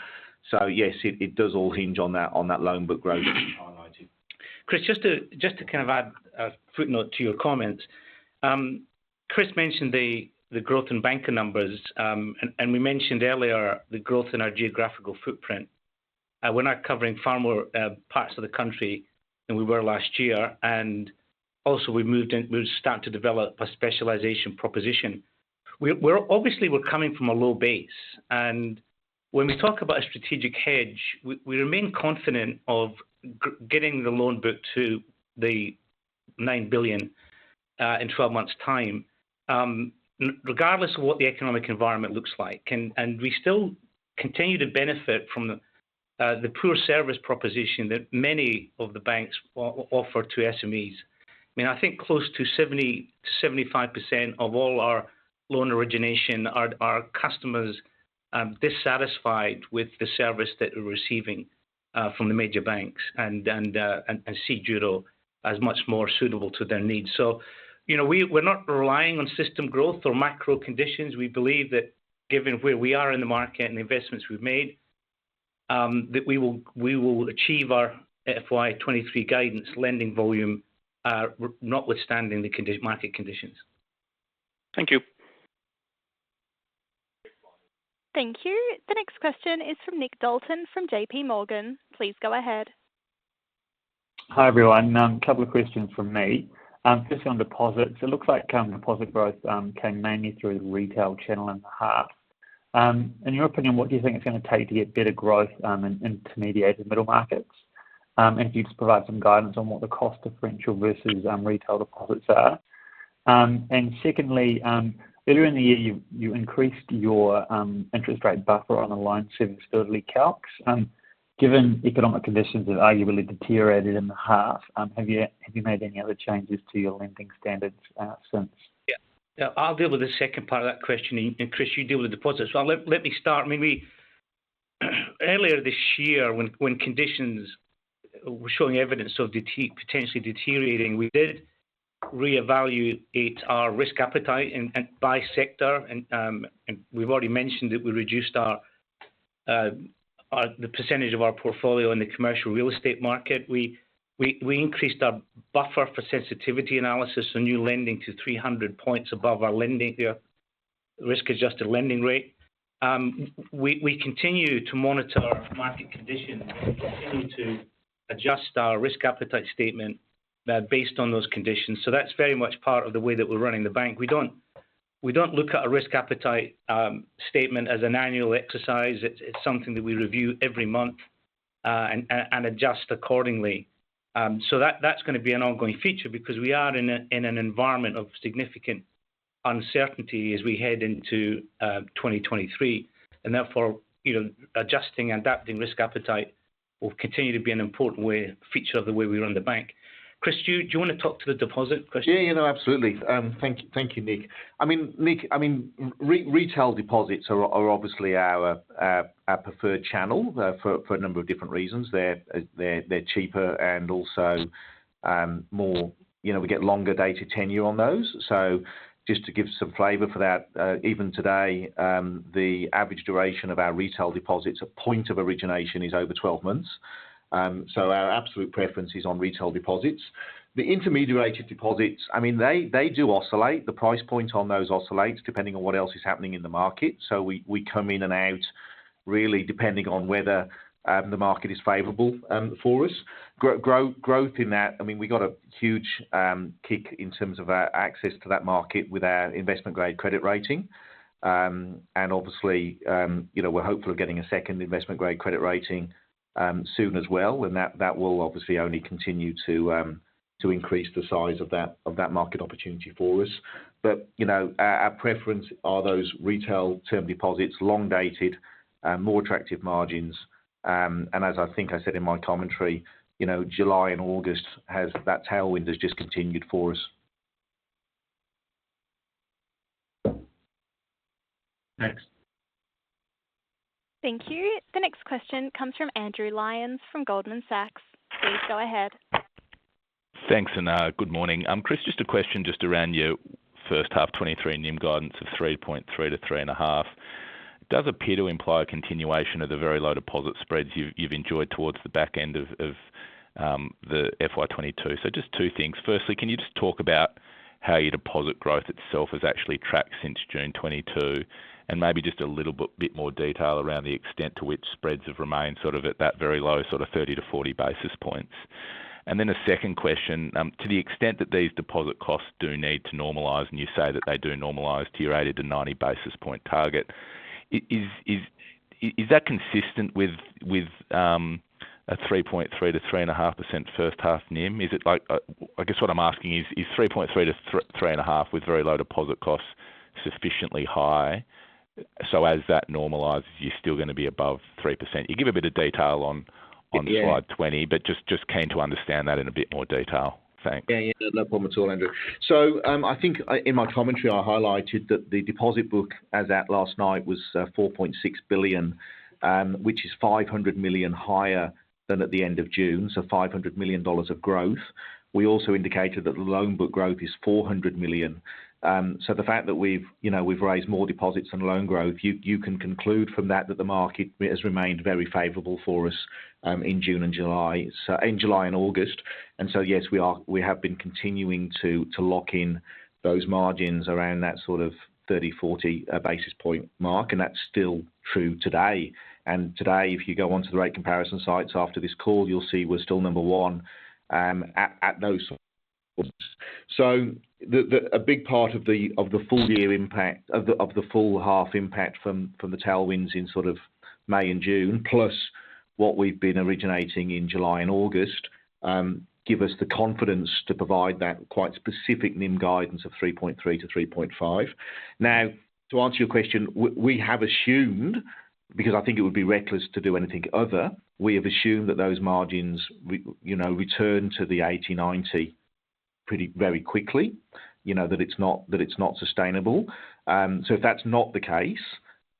Yes, it does all hinge on that loan book growth as you highlighted. Chris, just to kind of add a footnote to your comment. Chris mentioned the growth in banker numbers. We mentioned earlier the growth in our geographical footprint. We're now covering far more parts of the country than we were last year. Also we've moved and we've started to develop a specialization proposition. We're obviously coming from a low base. When we talk about a strategic hedge, we remain confident of getting the loan book to the 9 billion in 12 months time, regardless of what the economic environment looks like. We still continue to benefit from the poor service proposition that many of the banks offer to SMEs. I mean, I think close to 70-75% of all our loan origination are customers dissatisfied with the service that they're receiving from the major banks and see Judo as much more suitable to their needs. You know, we're not relying on systemic growth or macro conditions. We believe that given where we are in the market and the investments we've made that we will achieve our FY 2023 guidance lending volume notwithstanding the market conditions. Thank you. Thank you. The next question is from Nick Dalton from JP Morgan. Please go ahead. Hi, everyone. A couple of questions from me. First on deposits. It looks like deposit growth came mainly through the retail channel in half. In your opinion, what do you think it's gonna take to get better growth in intermediated middle markets? Secondly, earlier in the year you increased your interest rate buffer on the loan serviceability calcs. Given economic conditions have arguably deteriorated in the half, have you made any other changes to your lending standards since? Yeah. I'll deal with the second part of that question and Chris, you deal with deposits. Let me start maybe earlier this year when conditions were showing evidence of potentially deteriorating, we did reevaluate our risk appetite and by sector. We've already mentioned that we reduced our the percentage of our portfolio in the commercial real estate market. We increased our buffer for sensitivity analysis for new lending to 300 points above our lending the risk-adjusted lending rate. We continue to monitor market conditions. We continue to adjust our risk appetite statement based on those conditions. That's very much part of the way that we're running the bank. We don't look at a risk appetite statement as an annual exercise. It's something that we review every month, and adjust accordingly. That's gonna be an ongoing feature because we are in an environment of significant uncertainty as we head into 2023. Therefore, you know, adjusting, adapting risk appetite will continue to be an important feature of the way we run the bank. Chris, do you wanna talk to the deposit question? Yeah. You know, absolutely. Thank you. Thank you, Nick. I mean, Nick, retail deposits are obviously our preferred channel for a number of different reasons. They're cheaper and also more, you know, we get longer dated tenure on those. So just to give some flavor for that, even today, the average duration of our retail deposits at point of origination is over 12 months. So our absolute preference is on retail deposits. The intermediated deposits, I mean, they do oscillate. The price point on those oscillates depending on what else is happening in the market. So we come in and out really depending on whether the market is favorable for us. Growth in that. I mean, we got a huge kick in terms of our access to that market with our investment grade credit rating. Obviously, you know, we're hopeful of getting a second investment grade credit rating soon as well, and that will obviously only continue to increase the size of that market opportunity for us. You know, our preference are those retail term deposits, long-dated, more attractive margins. As I think I said in my commentary, you know, July and August has that tailwind has just continued for us. Thanks. Thank you. The next question comes from Andrew Lyons from Goldman Sachs. Please go ahead. Thanks, good morning. Chris, just a question just around your first half 2023 NIM guidance of 3.3%-3.5%. It does appear to imply a continuation of the very low deposit spreads you've enjoyed towards the back end of the FY 2022. Just two things. Firstly, can you just talk about how your deposit growth itself has actually tracked since June 2022, and maybe just a little bit more detail around the extent to which spreads have remained sort of at that very low, sort of 30-40 basis points? A second question. To the extent that these deposit costs do need to normalize, and you say that they do normalize to your 80-90 basis point target, is that consistent with a 3.3%-3.5% first half NIM? Is it like I guess what I'm asking is 3.3%-3.5% with very low deposit costs sufficiently high? As that normalizes, you're still gonna be above 3%. You give a bit of detail on slide 20- Yeah Just keen to understand that in a bit more detail. Thanks. Yeah, yeah. No, no problem at all, Andrew. I think in my commentary, I highlighted that the deposit book as at last night was 4.6 billion, which is 500 million higher than at the end of June, so 500 million dollars of growth. We also indicated that the loan book growth is 400 million. The fact that we've, you know, we've raised more deposits and loan growth, you can conclude from that the market has remained very favorable for us in June and July. In July and August, yes, we have been continuing to lock in those margins around that sort of 30, 40 basis point mark, and that's still true today. Today, if you go onto the right comparison sites after this call, you'll see we're still number one at those. The a big part of the full year impact of the full half impact from the tailwinds in sort of May and June, plus what we've been originating in July and August, give us the confidence to provide that quite specific NIM guidance of 3.3%-3.5%. Now, to answer your question, we have assumed, because I think it would be reckless to do anything other, we have assumed that those margins you know, return to the eighty/ninety pretty very quickly. You know, that it's not sustainable. If that's not the case,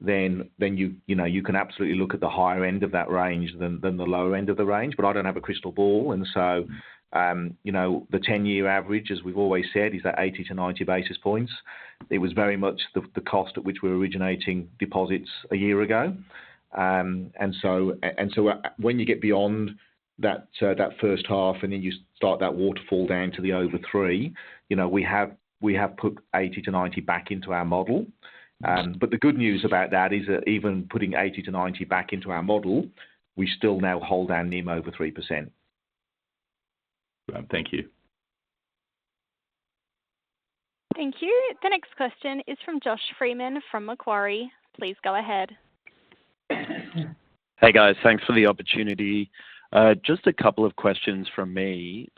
then you know you can absolutely look at the higher end of that range than the lower end of the range, but I don't have a crystal ball. You know, the 10-year average, as we've always said, is that 80-90 basis points. It was very much the cost at which we were originating deposits a year ago. And so when you get beyond that first half, and then you start that waterfall down to the over 3, you know, we have put 80-90 back into our model. The good news about that is that even putting 80-90 back into our model, we still now hold our NIM over 3%. Thank you. Thank you. The next question is from Josh Freeman from Macquarie. Please go ahead. Hey, guys. Thanks for the opportunity. Just a couple of questions from me.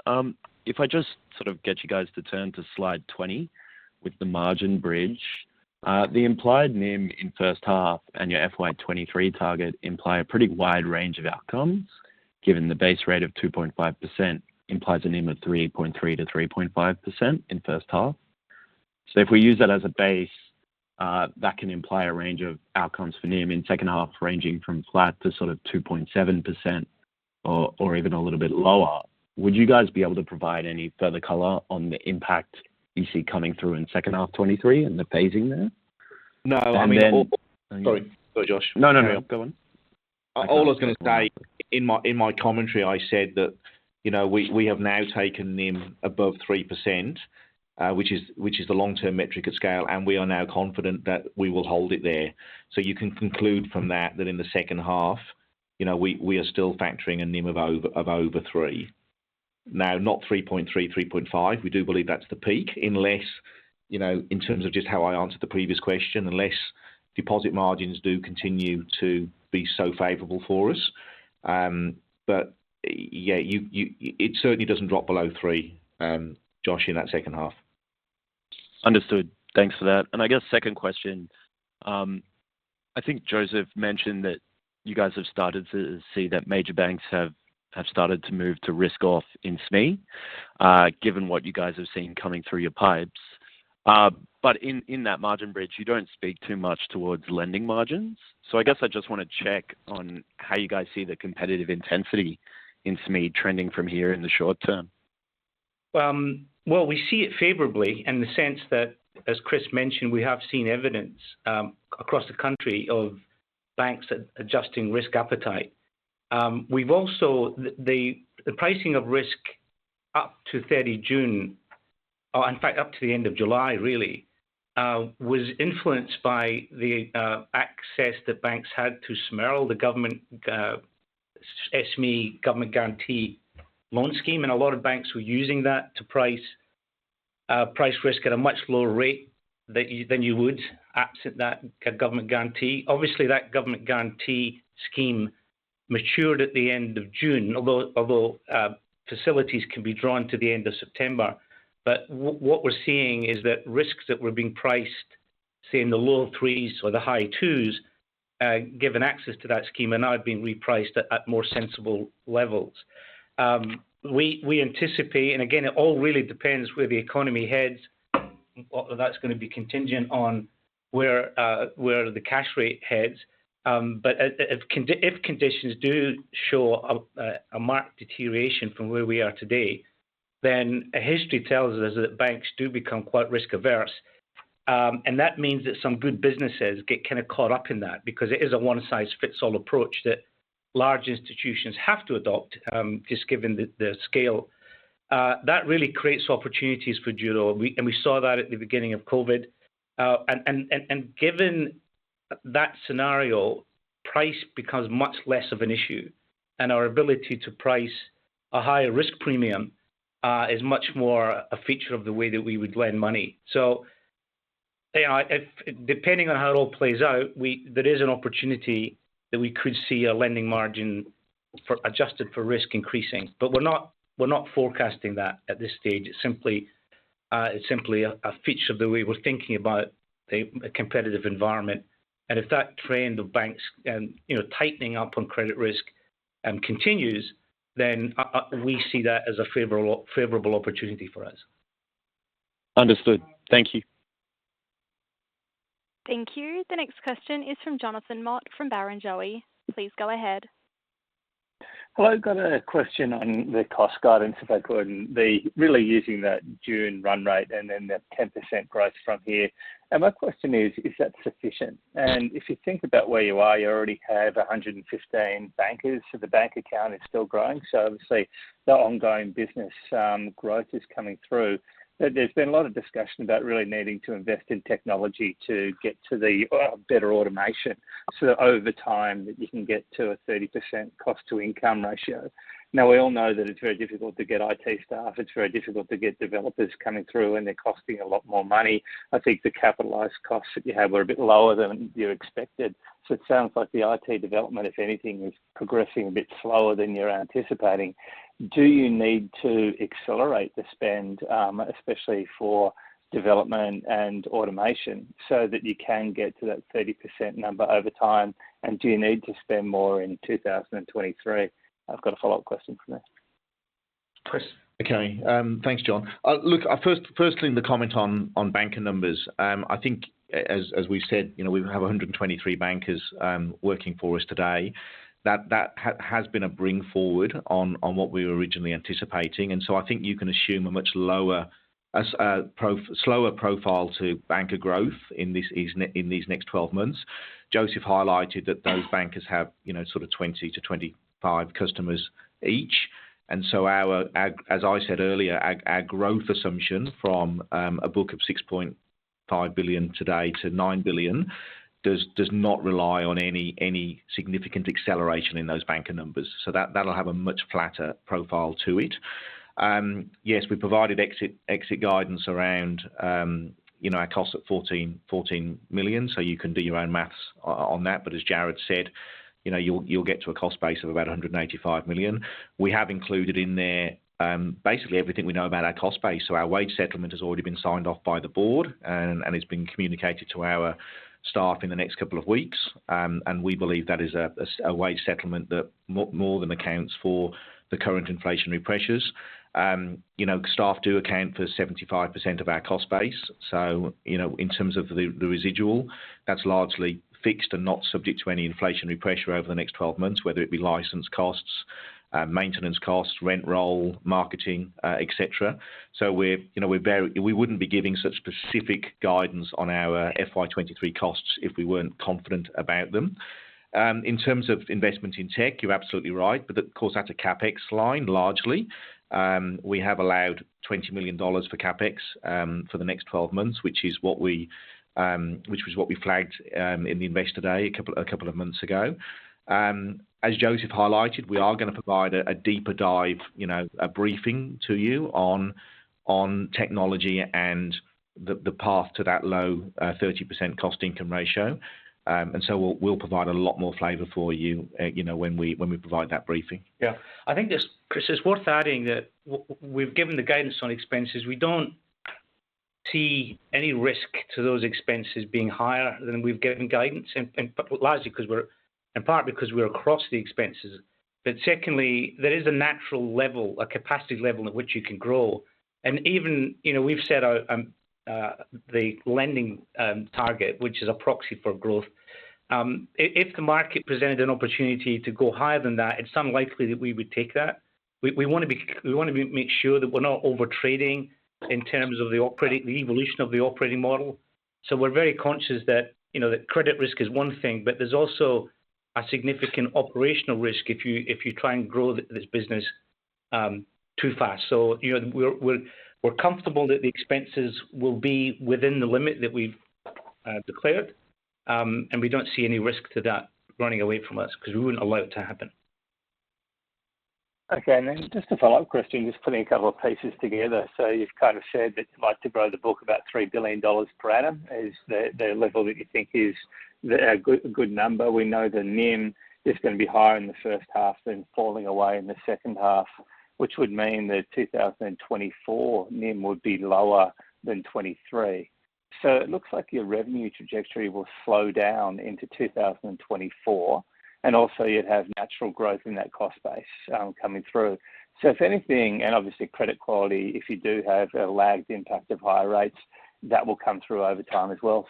If I just sort of get you guys to turn to slide 20 with the margin bridge. The implied NIM in first half and your FY 2023 target imply a pretty wide range of outcomes, given the base rate of 2.5% implies a NIM of 3.3%-3.5% in first half. If we use that as a base, that can imply a range of outcomes for NIM in second half ranging from flat to sort of 2.7% or even a little bit lower. Would you guys be able to provide any further color on the impact you see coming through in second half 2023 and the phasing there? No, I mean. And then- Sorry, Josh. No, no. Go on. All I was gonna say, in my commentary, I said that, you know, we have now taken NIM above 3%, which is the long-term metric at scale, and we are now confident that we will hold it there. You can conclude from that in the second half, you know, we are still factoring a NIM of over 3%. Now, not 3.3%, 3.5%. We do believe that's the peak. Unless, you know, in terms of just how I answered the previous question, unless deposit margins do continue to be so favorable for us. It certainly doesn't drop below 3%, Josh, in that second half. Understood. Thanks for that. I guess second question. I think Joseph mentioned that you guys have started to see that major banks have started to move to risk off in SME, given what you guys have seen coming through your pipes. In that margin bridge, you don't speak too much towards lending margins. I guess I just wanna check on how you guys see the competitive intensity in SME trending from here in the short term. Well, we see it favorably in the sense that, as Chris mentioned, we have seen evidence across the country of banks adjusting risk appetite. The pricing of risk up to 30 June, or in fact, up to the end of July, really, was influenced by the access that banks had to the SME Recovery Loan Scheme, and a lot of banks were using that to price risk at a much lower rate than you would absent that government guarantee. Obviously, that government guarantee scheme matured at the end of June, although facilities can be drawn to the end of September. What we're seeing is that risks that were being priced, say, in the low 3s or the high 2s, given access to that scheme are now being repriced at more sensible levels. We anticipate, and again, it all really depends where the economy heads. That's gonna be contingent on where the cash rate heads. If conditions do show a marked deterioration from where we are today, then history tells us that banks do become quite risk averse. That means that some good businesses get kinda caught up in that because it is a one-size-fits-all approach that large institutions have to adopt, just given the scale. That really creates opportunities for Judo. We saw that at the beginning of COVID. Given that scenario, price becomes much less of an issue, and our ability to price a higher risk premium is much more a feature of the way that we would lend money. You know, depending on how it all plays out, there is an opportunity that we could see a lending margin adjusted for risk increasing. We're not forecasting that at this stage. It's simply a feature of the way we're thinking about a competitive environment. If that trend of banks you know, tightening up on credit risk continues, then we see that as a favorable opportunity for us. Understood. Thank you. Thank you. The next question is from Jonathan Mott from Barrenjoey. Please go ahead. Well, I've got a question on the cost guidance, if I could. They're really using that June run rate and then the 10% growth from here. My question is that sufficient? If you think about where you are, you already have 115 bankers, so the headcount is still growing. Obviously the ongoing business growth is coming through. There's been a lot of discussion about really needing to invest in technology to get to the better automation. Over time that you can get to a 30% cost-to-income ratio. Now, we all know that it's very difficult to get IT staff. It's very difficult to get developers coming through, and they're costing a lot more money. I think the capitalized costs that you have are a bit lower than you expected. It sounds like the IT development, if anything, is progressing a bit slower than you're anticipating. Do you need to accelerate the spend, especially for development and automation, so that you can get to that 30% number over time? Do you need to spend more in 2023? I've got a follow-up question from there. Chris. Okay. Thanks, John. Look, firstly on the comment on banker numbers. I think as we've said, you know, we have 123 bankers working for us today. That has been a bring forward on what we were originally anticipating. I think you can assume a much slower profile to banker growth in these next 12 months. Joseph highlighted that those bankers have, you know, sort of 20-25 customers each. As I said earlier, our growth assumption from a book of 6.5 billion today to 9 billion does not rely on any significant acceleration in those banker numbers. That'll have a much flatter profile to it. Yes, we provided exit guidance around our cost at 14 million. You can do your own math on that. As Jarrod said, you know, you'll get to a cost base of about 185 million. We have included in there basically everything we know about our cost base. Our wage settlement has already been signed off by the board and it's been communicated to our staff in the next couple of weeks. We believe that is a wage settlement that more than accounts for the current inflationary pressures. You know, staff do account for 75% of our cost base. In terms of the residual, that's largely fixed and not subject to any inflationary pressure over the next 12 months, whether it be license costs, maintenance costs, rent roll, marketing, et cetera. We're wouldn't be giving such specific guidance on our FY 23 costs if we weren't confident about them. In terms of investment in tech, you're absolutely right. Of course, that's a CapEx line largely. We have allowed 20 million dollars for CapEx for the next 12 months, which was what we flagged in the Investor Day a couple of months ago. As Joseph highlighted, we are gonna provide a deeper dive, you know, a briefing to you on technology and the path to that low 30% cost income ratio. We'll provide a lot more flavor for you know, when we provide that briefing. Yeah. I think this, Chris, it's worth adding that we've given the guidance on expenses. We don't see any risk to those expenses being higher than we've given guidance and partly 'cause we're across the expenses. Secondly, there is a natural level, a capacity level at which you can grow. Even, you know, we've set out the lending target, which is a proxy for growth. If the market presented an opportunity to go higher than that, it's unlikely that we would take that. We wanna be make sure that we're not overtrading in terms of the evolution of the operating model. We're very conscious that, you know, that credit risk is one thing, but there's also a significant operational risk if you try and grow this business too fast. You know, we're comfortable that the expenses will be within the limit that we've declared. We don't see any risk to that running away from us because we wouldn't allow it to happen. Okay. Then just a follow-up question, just putting a couple of pieces together. You've kind of said that you'd like to grow the book about 3 billion dollars per annum. Is the level that you think is a good number. We know the NIM is going to be higher in the first half then falling away in the second half, which would mean that 2024 NIM would be lower than 2023. It looks like your revenue trajectory will slow down into 2024, and also you'd have natural growth in that cost base, coming through. If anything, and obviously credit quality, if you do have a lagged impact of higher rates, that will come through over time as well.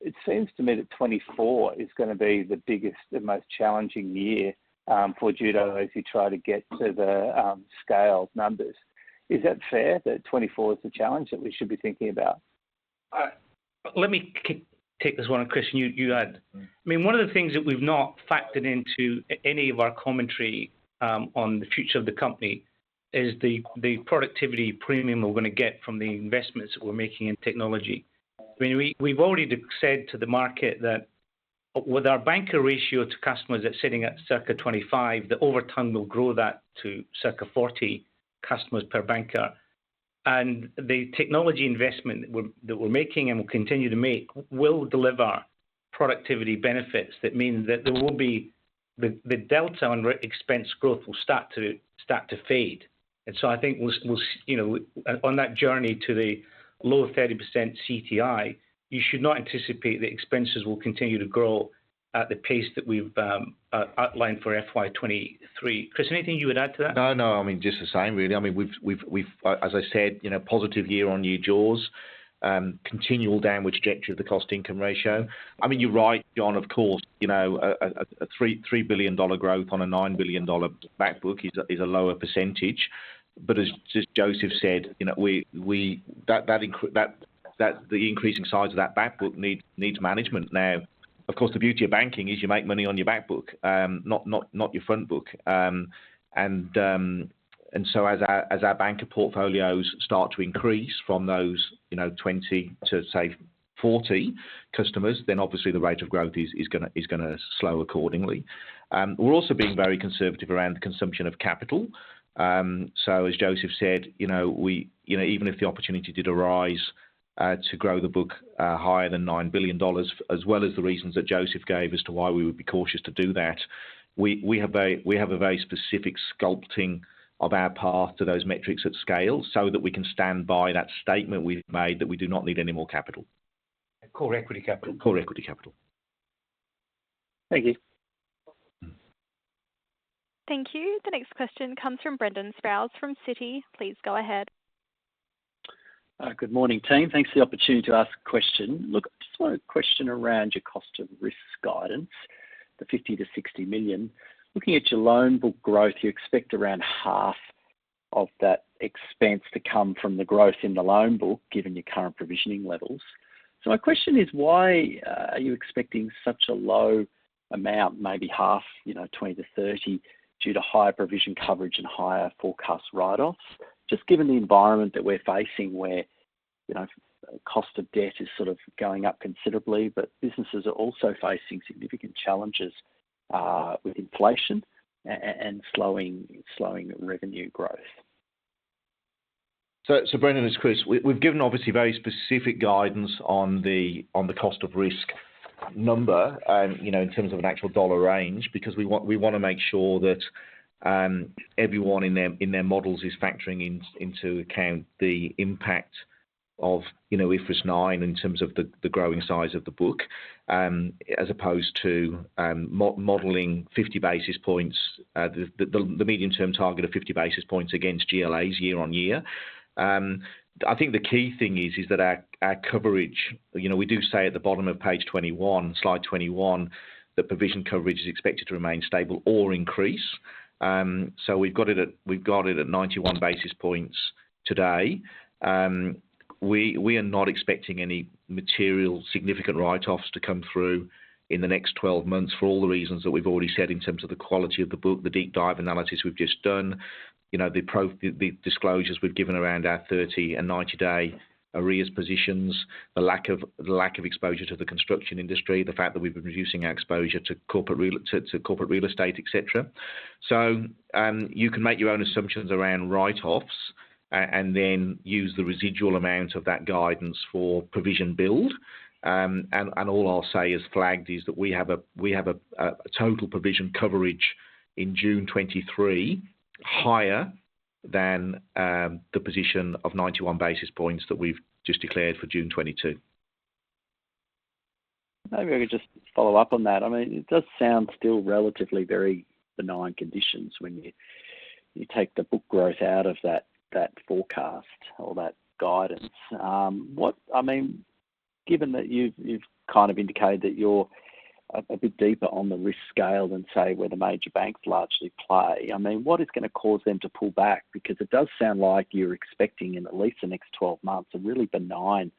It seems to me that 2024 is going to be the biggest and most challenging year for Judo as you try to get to the scale numbers. Is that fair that 2024 is the challenge that we should be thinking about? Let me keep this one, Chris, and you add. I mean, one of the things that we've not factored into any of our commentary on the future of the company is the productivity premium we're going to get from the investments that we're making in technology. I mean, we've already said to the market that with our banker ratio to customers that's sitting at circa 25, over time we'll grow that to circa 40 customers per banker. The technology investment that we're making and will continue to make will deliver productivity benefits that mean that there will be the delta on expense growth will start to fade. I think we'll, you know, on that journey to the lower 30% CTI, you should not anticipate that expenses will continue to grow at the pace that we've outlined for FY 2023. Chris, anything you would add to that? No, no. I mean, just the same, really. I mean, we've. As I said, you know, positive year-on-year jaws, continual down trajectory of the cost-income ratio. I mean, you're right, John, of course, you know, a 3 billion dollar growth on a 9 billion dollar back book is a lower percentage. But as Joseph said, you know, we. That the increasing size of that back book needs management. Now, of course, the beauty of banking is you make money on your back book, not your front book. And so as our banker portfolios start to increase from those, you know, 20 to, say, 40 customers, then obviously the rate of growth is gonna slow accordingly. We're also being very conservative around the consumption of capital. As Joseph said, you know, you know, even if the opportunity did arise to grow the book higher than 9 billion dollars, as well as the reasons that Joseph gave as to why we would be cautious to do that, we have a very specific sculpting of our path to those metrics at scale so that we can stand by that statement we've made that we do not need any more capital. Core equity capital. Core equity capital. Thank you. Mm-hmm. Thank you. The next question comes from Brendan Sproules from Citi. Please go ahead. Good morning, team. Thanks for the opportunity to ask a question. Look, I just want to question around your cost of risk guidance, the 50 million-60 million. Looking at your loan book growth, you expect around half of that expense to come from the growth in the loan book, given your current provisioning levels. My question is, why are you expecting such a low amount, maybe half, you know, 20 million-30 million due to higher provision coverage and higher forecast write-offs? Just given the environment that we're facing where, you know, cost of debt is sort of going up considerably, but businesses are also facing significant challenges with inflation and slowing revenue growth. Brendan, it's Chris. We've given obviously very specific guidance on the cost of risk number, you know, in terms of an actual dollar range, because we want to make sure that everyone in their models is factoring into account the impact of, you know, IFRS 9 in terms of the growing size of the book, as opposed to modeling 50 basis points. The medium-term target of 50 basis points against GLAs year-on-year. I think the key thing is that our coverage, you know, we do say at the bottom of page 21, slide 21, that provision coverage is expected to remain stable or increase. We've got it at 91 basis points today. We are not expecting any material significant write-offs to come through in the next 12 months for all the reasons that we've already said in terms of the quality of the book. The deep dive analysis we've just done. You know, the disclosures we've given around our 30- and 90-day arrears positions. The lack of exposure to the construction industry. The fact that we've been reducing our exposure to corporate real estate, et cetera. You can make your own assumptions around write-offs and then use the residual amount of that guidance for provision build. All I'll say is flagged is that we have a total provision coverage in June 2023 higher than the position of 91 basis points that we've just declared for June 2022. Maybe I could just follow up on that. I mean, it does sound still relatively very benign conditions when you take the book growth out of that forecast or that guidance. What I mean, given that you've kind of indicated that you're a bit deeper on the risk scale than, say, where the major banks largely play. I mean, what is gonna cause them to pull back? Because it does sound like you're expecting in at least the next 12 months, a really benign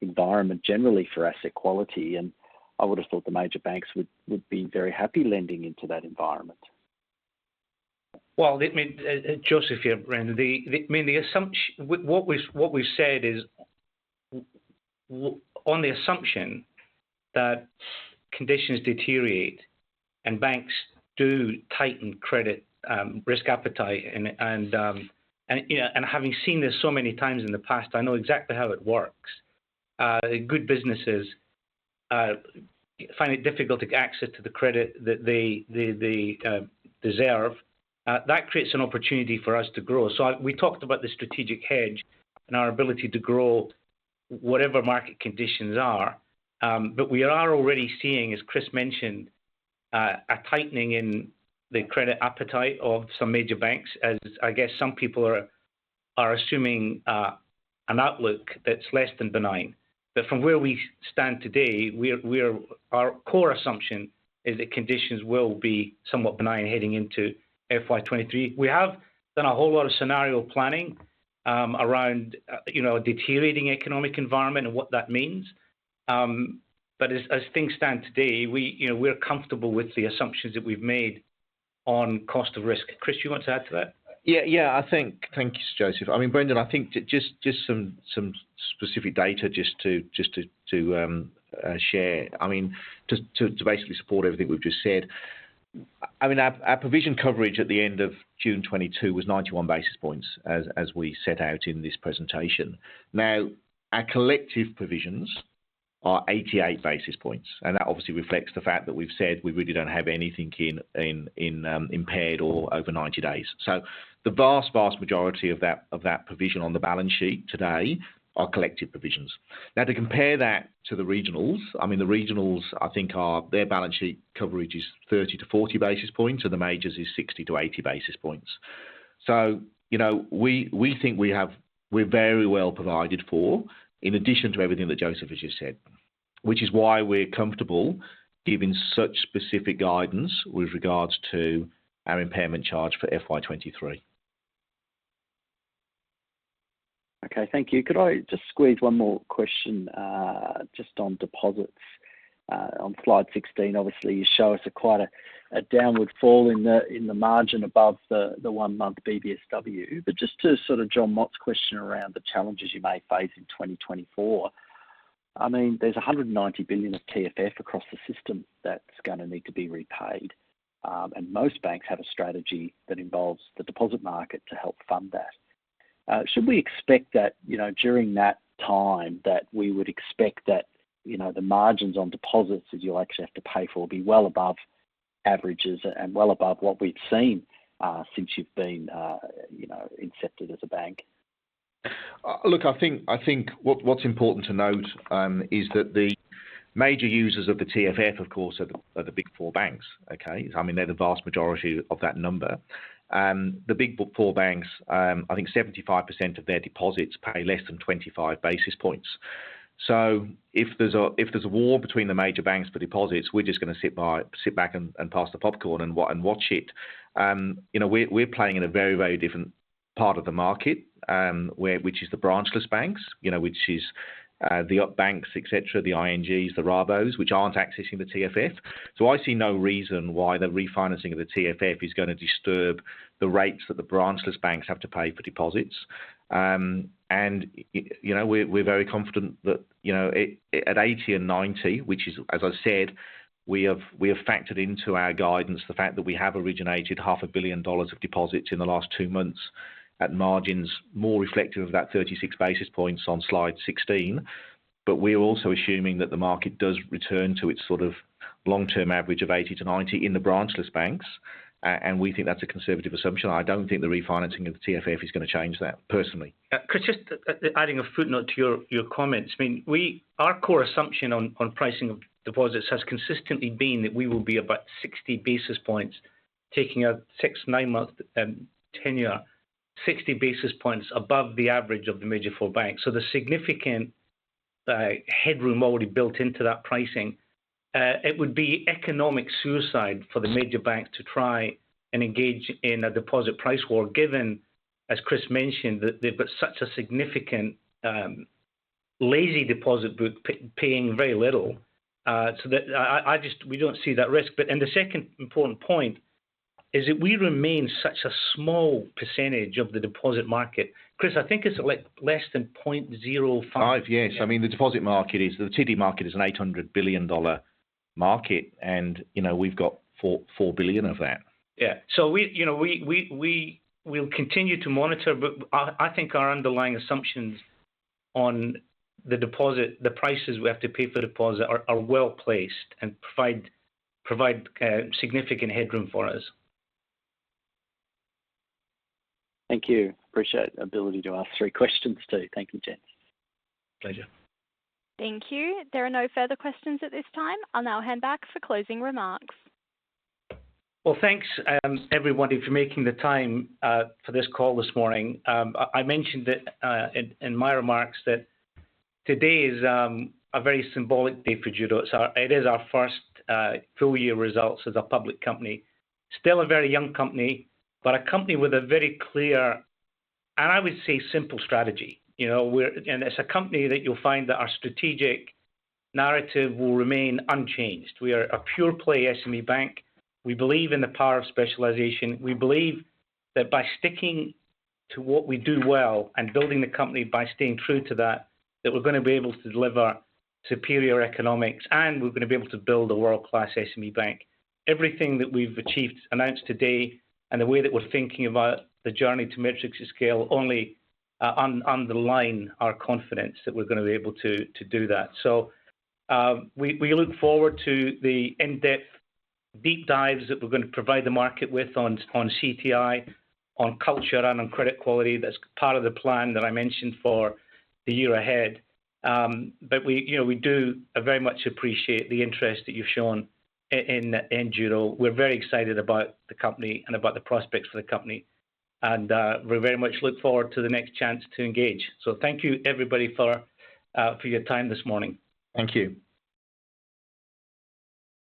environment generally for asset quality. I would've thought the major banks would be very happy lending into that environment. Well, I mean, Joseph here, Brendan. I mean, what we've said is, well, on the assumption that conditions deteriorate and banks do tighten credit, risk appetite and, you know, and having seen this so many times in the past, I know exactly how it works. Good businesses find it difficult to get access to the credit that they deserve. That creates an opportunity for us to grow. We talked about the strategic hedge and our ability to grow whatever market conditions are. We are already seeing, as Chris mentioned, a tightening in the credit appetite of some major banks, as I guess some people are assuming an outlook that's less than benign. From where we stand today, we're Our core assumption is that conditions will be somewhat benign heading into FY 2023. We have done a whole lot of scenario planning around, you know, a deteriorating economic environment and what that means. But as things stand today, we, you know, we're comfortable with the assumptions that we've made on cost of risk. Chris, you want to add to that? Yeah, I think. Thank you, Joseph. I mean, Brendan, I think just some specific data just to share. I mean, just to basically support everything we've just said. I mean, our provision coverage at the end of June 2022 was 91 basis points as we set out in this presentation. Now, our collective provisions are 88 basis points, and that obviously reflects the fact that we've said we really don't have anything in impaired or over 90 days. So the vast majority of that provision on the balance sheet today are collective provisions. Now, to compare that to the regionals, I mean, the regionals, I think, are their balance sheet coverage is 30-40 basis points, so the majors is 60-80 basis points. You know, we think we're very well provided for in addition to everything that Joseph has just said, which is why we're comfortable giving such specific guidance with regards to our impairment charge for FY 2023. Okay, thank you. Could I just squeeze one more question just on deposits? On slide 16, obviously, you show us quite a downward fall in the margin above the one-month BBSW. To sort of Jonathan Mott's question around the challenges you may face in 2024, I mean, there's 190 billion of TFF across the system that's gonna need to be repaid. Most banks have a strategy that involves the deposit market to help fund that. Should we expect that, you know, during that time that we would expect that, you know, the margins on deposits that you'll actually have to pay for will be well above averages and well above what we've seen since you've been, you know, incepted as a bank? Look, I think what's important to note is that the major users of the TFF, of course, are the Big Four banks. Okay? I mean, they're the vast majority of that number. The Big Four banks, I think 75% of their deposits pay less than 25 basis points. If there's a war between the major banks for deposits, we're just gonna sit back and pass the popcorn and watch it. You know, we're playing in a very different part of the market, which is the branchless banks. You know, which is the neobanks, et cetera, the INGs, the Rabos, which aren't accessing the TFF. I see no reason why the refinancing of the TFF is gonna disturb the rates that the branchless banks have to pay for deposits. You know, we're very confident that, you know, at 80 and 90, which is, as I said, we have factored into our guidance the fact that we have originated AUD half a billion dollars of deposits in the last two months at margins more reflective of that 36 basis points on slide 16. But we're also assuming that the market does return to its sort of long-term average of 80-90 in the branchless banks, and we think that's a conservative assumption. I don't think the refinancing of the TFF is gonna change that, personally. Chris, just adding a footnote to your comments. I mean, our core assumption on pricing of deposits has consistently been that we will be about 60 basis points, taking a 6- to 9-month tenure, 60 basis points above the average of the major four banks. There's significant headroom already built into that pricing. It would be economic suicide for the major banks to try and engage in a deposit price war, given, as Chris mentioned, that they've got such a significant lazy deposit book paying very little. We don't see that risk. The second important point is that we remain such a small percentage of the deposit market. Chris, I think it's, like, less than 0.05%. Five, yes. I mean, the deposit market is, the TD market is an 800 billion dollar market and, you know, we've got 4 billion of that. Yeah. We, you know, we will continue to monitor, but I think our underlying assumptions on the deposit, the prices we have to pay for deposit are well placed and provide significant headroom for us. Thank you. Appreciate the ability to ask three questions, too. Thank you, gents. Pleasure. Thank you. There are no further questions at this time. I'll now hand back for closing remarks. Well, thanks, everybody, for making the time, for this call this morning. I mentioned it in my remarks that today is a very symbolic day for Judo. It is our first full year results as a public company. Still a very young company, but a company with a very clear, and I would say simple strategy. You know, as a company that you'll find that our strategic narrative will remain unchanged. We are a pure play SME bank. We believe in the power of specialization. We believe that by sticking to what we do well and building the company by staying true to that we're gonna be able to deliver superior economics, and we're gonna be able to build a world-class SME bank. Everything that we've achieved, announced today, and the way that we're thinking about the journey to scale only underlines our confidence that we're gonna be able to do that. We look forward to the in-depth deep dives that we're gonna provide the market with on CTI, on culture, and on credit quality. That's part of the plan that I mentioned for the year ahead. We, you know, do very much appreciate the interest that you've shown in Judo. We're very excited about the company and about the prospects for the company. We very much look forward to the next chance to engage. Thank you, everybody, for your time this morning. Thank you.